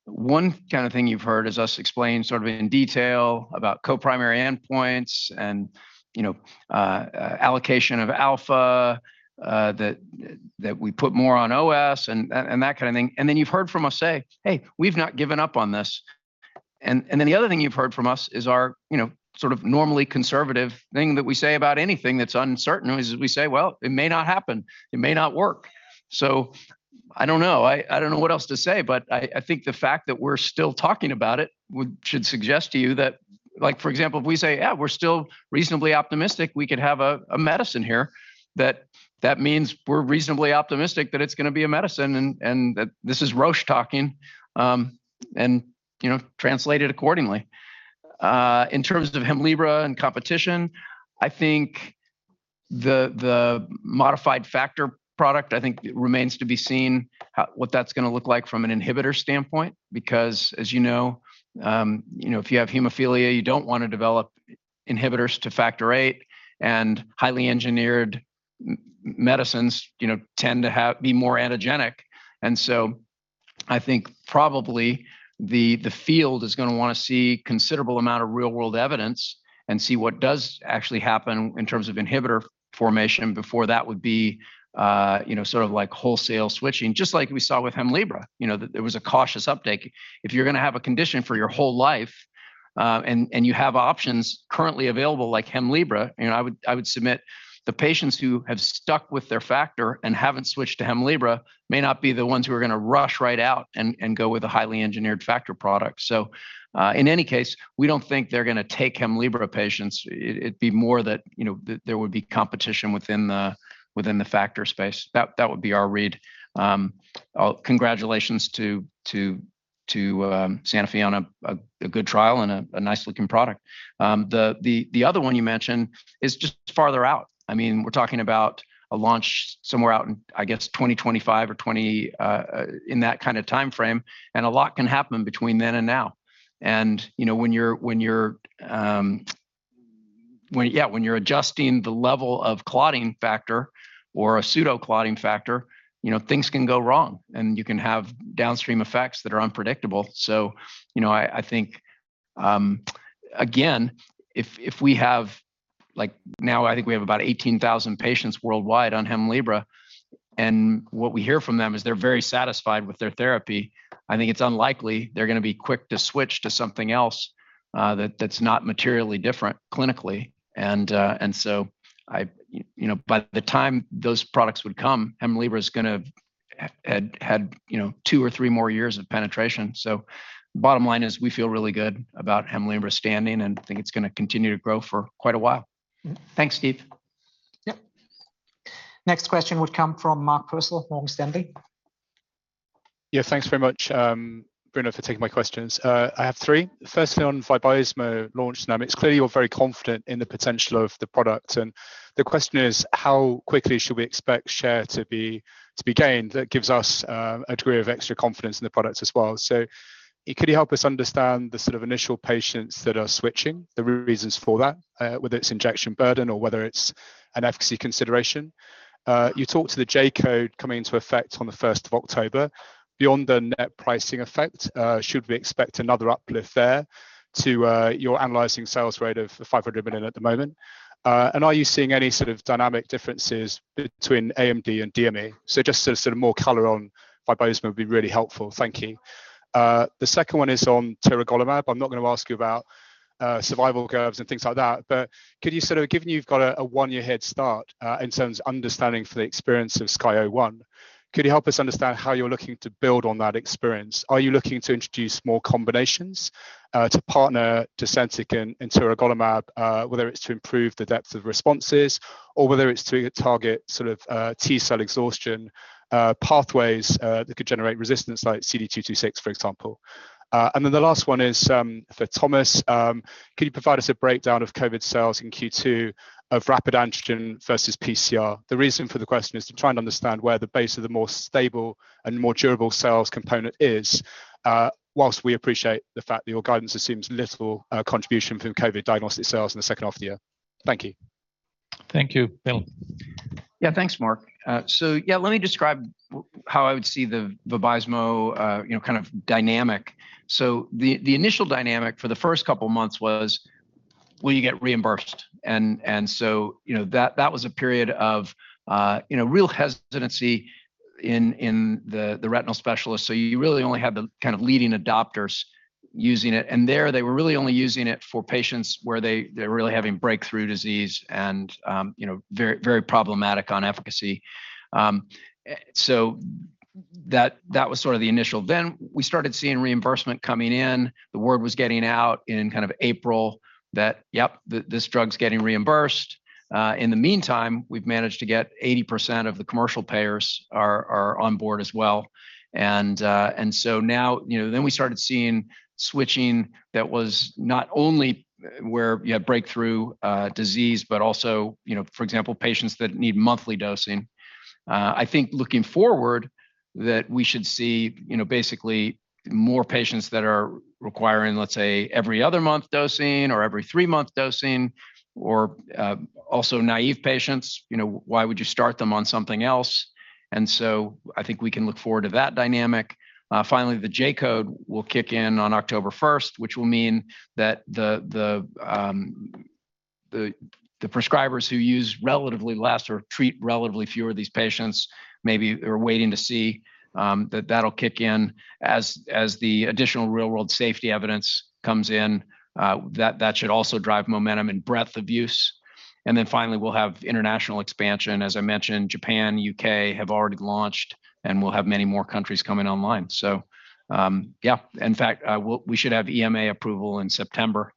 One kind of thing you've heard is us explain sort of in detail about co-primary endpoints and, you know, allocation of alpha, that we put more on OS and that kind of thing. Then you've heard from us say, "Hey, we've not given up on this." Then the other thing you've heard from us is our, you know, sort of normally conservative thing that we say about anything that's uncertain, is we say, "Well, it may not happen. It may not work." I don't know. I don't know what else to say, but I think the fact that we're still talking about it would should suggest to you that Like, for example, if we say, "Yeah, we're still reasonably optimistic, we could have a medicine here," that means we're reasonably optimistic that it's going to be a medicine and that this is Roche talking, and you know, translate it accordingly. In terms of Hemlibra and competition, I think the modified factor product, I think remains to be seen what that's going to look like from an inhibitor standpoint, because as you know, you know, if you have hemophilia, you don't want to develop inhibitors to factor eight and highly engineered medicines tend to be more antigenic. I think probably the field is going to want to see a considerable amount of real world evidence and see what does actually happen in terms of inhibitor formation before that would be, you know, sort of like wholesale switching, just like we saw with Hemlibra. You know, there was a cautious uptake. If you're going to have a condition for your whole life, and you have options currently available like Hemlibra, you know, I would submit the patients who have stuck with their factor and haven't switched to Hemlibra may not be the ones who are going to rush right out and go with a highly engineered factor product. In any case, we don't think they're going to take Hemlibra patients. It'd be more that, you know, there would be competition within the factor space. That would be our read. Congratulations to Sanofi on a good trial and a nice looking product. The other one you mentioned is just farther out. I mean, we're talking about a launch somewhere out in, I guess, 2025 or 2026, in that kind of timeframe, and a lot can happen between then and now. You know, when you're adjusting the level of clotting factor or a pseudo clotting factor, you know, things can go wrong and you can have downstream effects that are unpredictable. You know, I think again, if we have like now I think we have about 18,000 patients worldwide on Hemlibra, and what we hear from them is they're very satisfied with their therapy. I think it's unlikely they're going to be quick to switch to something else that's not materially different clinically. You know, by the time those products would come, Hemlibra's gonna had you know, two or three more years of penetration. Bottom line is we feel really good about Hemlibra standing and think it's going to continue to grow for quite a while. Thanks, Steve. Yep. Next question would come from Mark Purcell, Morgan Stanley. Thanks very much, Bruno, for taking my questions. I have three. Firstly, on Vabysmo launch dynamics. Clearly you're very confident in the potential of the product, and the question is, how quickly should we expect share to be gained? That gives us a degree of extra confidence in the product as well. Could you help us understand the sort of initial patients that are switching, the reasons for that, whether it's injection burden or whether it's an efficacy consideration. You talked to the J-code coming into effect on the 1st of October. Beyond the net pricing effect, should we expect another uplift there to your annualizing sales rate of 500 million at the moment? Are you seeing any sort of dynamic differences between AMD and DME? Just sort of more color on Vabysmo would be really helpful. Thank you. The second one is on tiragolumab. I'm not gonna ask you about survival curves and things like that, but given you've got a one-year head start in terms of understanding from the experience of SKYSCRAPER-01, could you help us understand how you're looking to build on that experience? Are you looking to introduce more combinations to partner Tecentriq and tiragolumab, whether it's to improve the depth of responses or whether it's to target sort of T-cell exhaustion pathways that could generate resistance like CD226, for example. And then the last one is for Thomas. Could you provide us a breakdown of COVID sales in Q2 of rapid antigen versus PCR? The reason for the question is to try and understand where the base of the more stable and more durable sales component is, while we appreciate the fact that your guidance assumes little contribution from COVID diagnostic sales in the second half of the year. Thank you. Thank you. Bill. Yeah. Thanks, Mark. Yeah, let me describe how I would see the Vabysmo, you know, kind of dynamic. The initial dynamic for the first couple months was, will you get reimbursed? And so, you know, that was a period of, you know, real hesitancy in the retinal specialists. You really only had the kind of leading adopters using it. And there, they were really only using it for patients where they're really having breakthrough disease and, you know, very problematic on efficacy. That was sort of the initial. We started seeing reimbursement coming in. The word was getting out in kind of April that, yep, this drug's getting reimbursed. In the meantime, we've managed to get 80% of the commercial payers are on board as well. Now, you know, we started seeing switching that was not only where you had breakthrough disease, but also, you know, for example, patients that need monthly dosing. I think looking forward that we should see, you know, basically more patients that are requiring, let's say, every other month dosing or every three-month dosing or also naive patients. You know, why would you start them on something else? I think we can look forward to that dynamic. Finally, the J-code will kick in on October 1st, which will mean that the prescribers who use relatively less or treat relatively fewer of these patients, maybe are waiting to see that that'll kick in as the additional real world safety evidence comes in. That should also drive momentum and breadth of use. Finally, we'll have international expansion. As I mentioned, Japan, U.K. have already launched, and we'll have many more countries coming online. We should have EMA approval in September,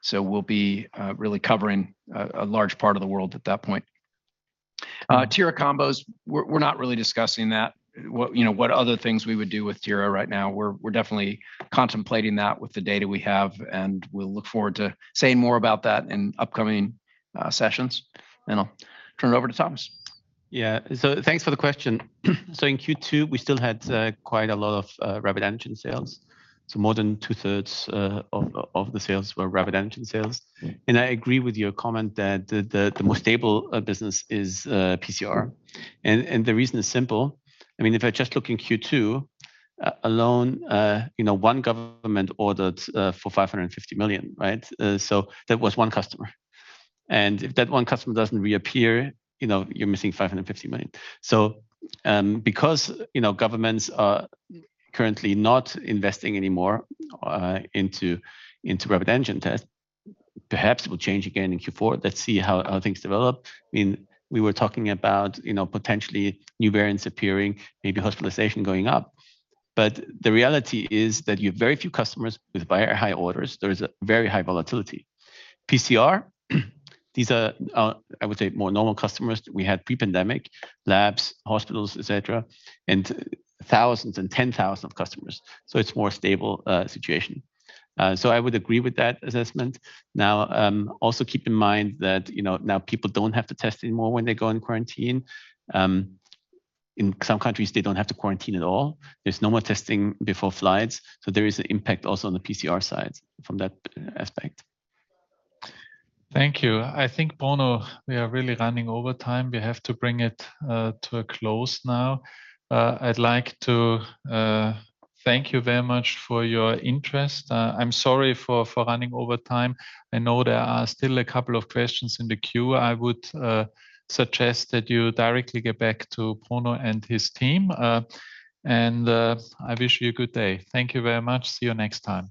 so we'll be really covering a large part of the world at that point. Tira combos, we're not really discussing that. You know, what other things we would do with Tira right now. We're definitely contemplating that with the data we have, and we'll look forward to saying more about that in upcoming sessions. I'll turn it over to Thomas. Yeah. Thanks for the question. In Q2, we still had quite a lot of rapid antigen sales. More than two-thirds of the sales were rapid antigen sales. And I agree with your comment that the more stable business is PCR. And the reason is simple. I mean, if I just look in Q2 alone, you know, one government ordered for 550 million, right? That was one customer. And if that one customer doesn't reappear, you know, you're missing 550 million. Because, you know, governments are currently not investing anymore into rapid antigen tests, perhaps it will change again in Q4. Let's see how things develop. I mean, we were talking about, you know, potentially new variants appearing, maybe hospitalization going up. The reality is that you have very few customers with very high orders. There is a very high volatility. PCR, these are, I would say more normal customers that we had pre-pandemic, labs, hospitals, et cetera, and thousands and tens of thousands of customers, so it's more stable situation. I would agree with that assessment. Now, also keep in mind that, now people don't have to test anymore when they go in quarantine. In some countries, they don't have to quarantine at all. There's no more testing before flights, so there is an impact also on the PCR side from that aspect. Thank you. I think, Bruno, we are really running over time. We have to bring it to a close now. I'd like to thank you very much for your interest. I'm sorry for running over time. I know there are still a couple of questions in the queue. I would suggest that you directly get back to Bruno and his team. I wish you a good day. Thank you very much. See you next time.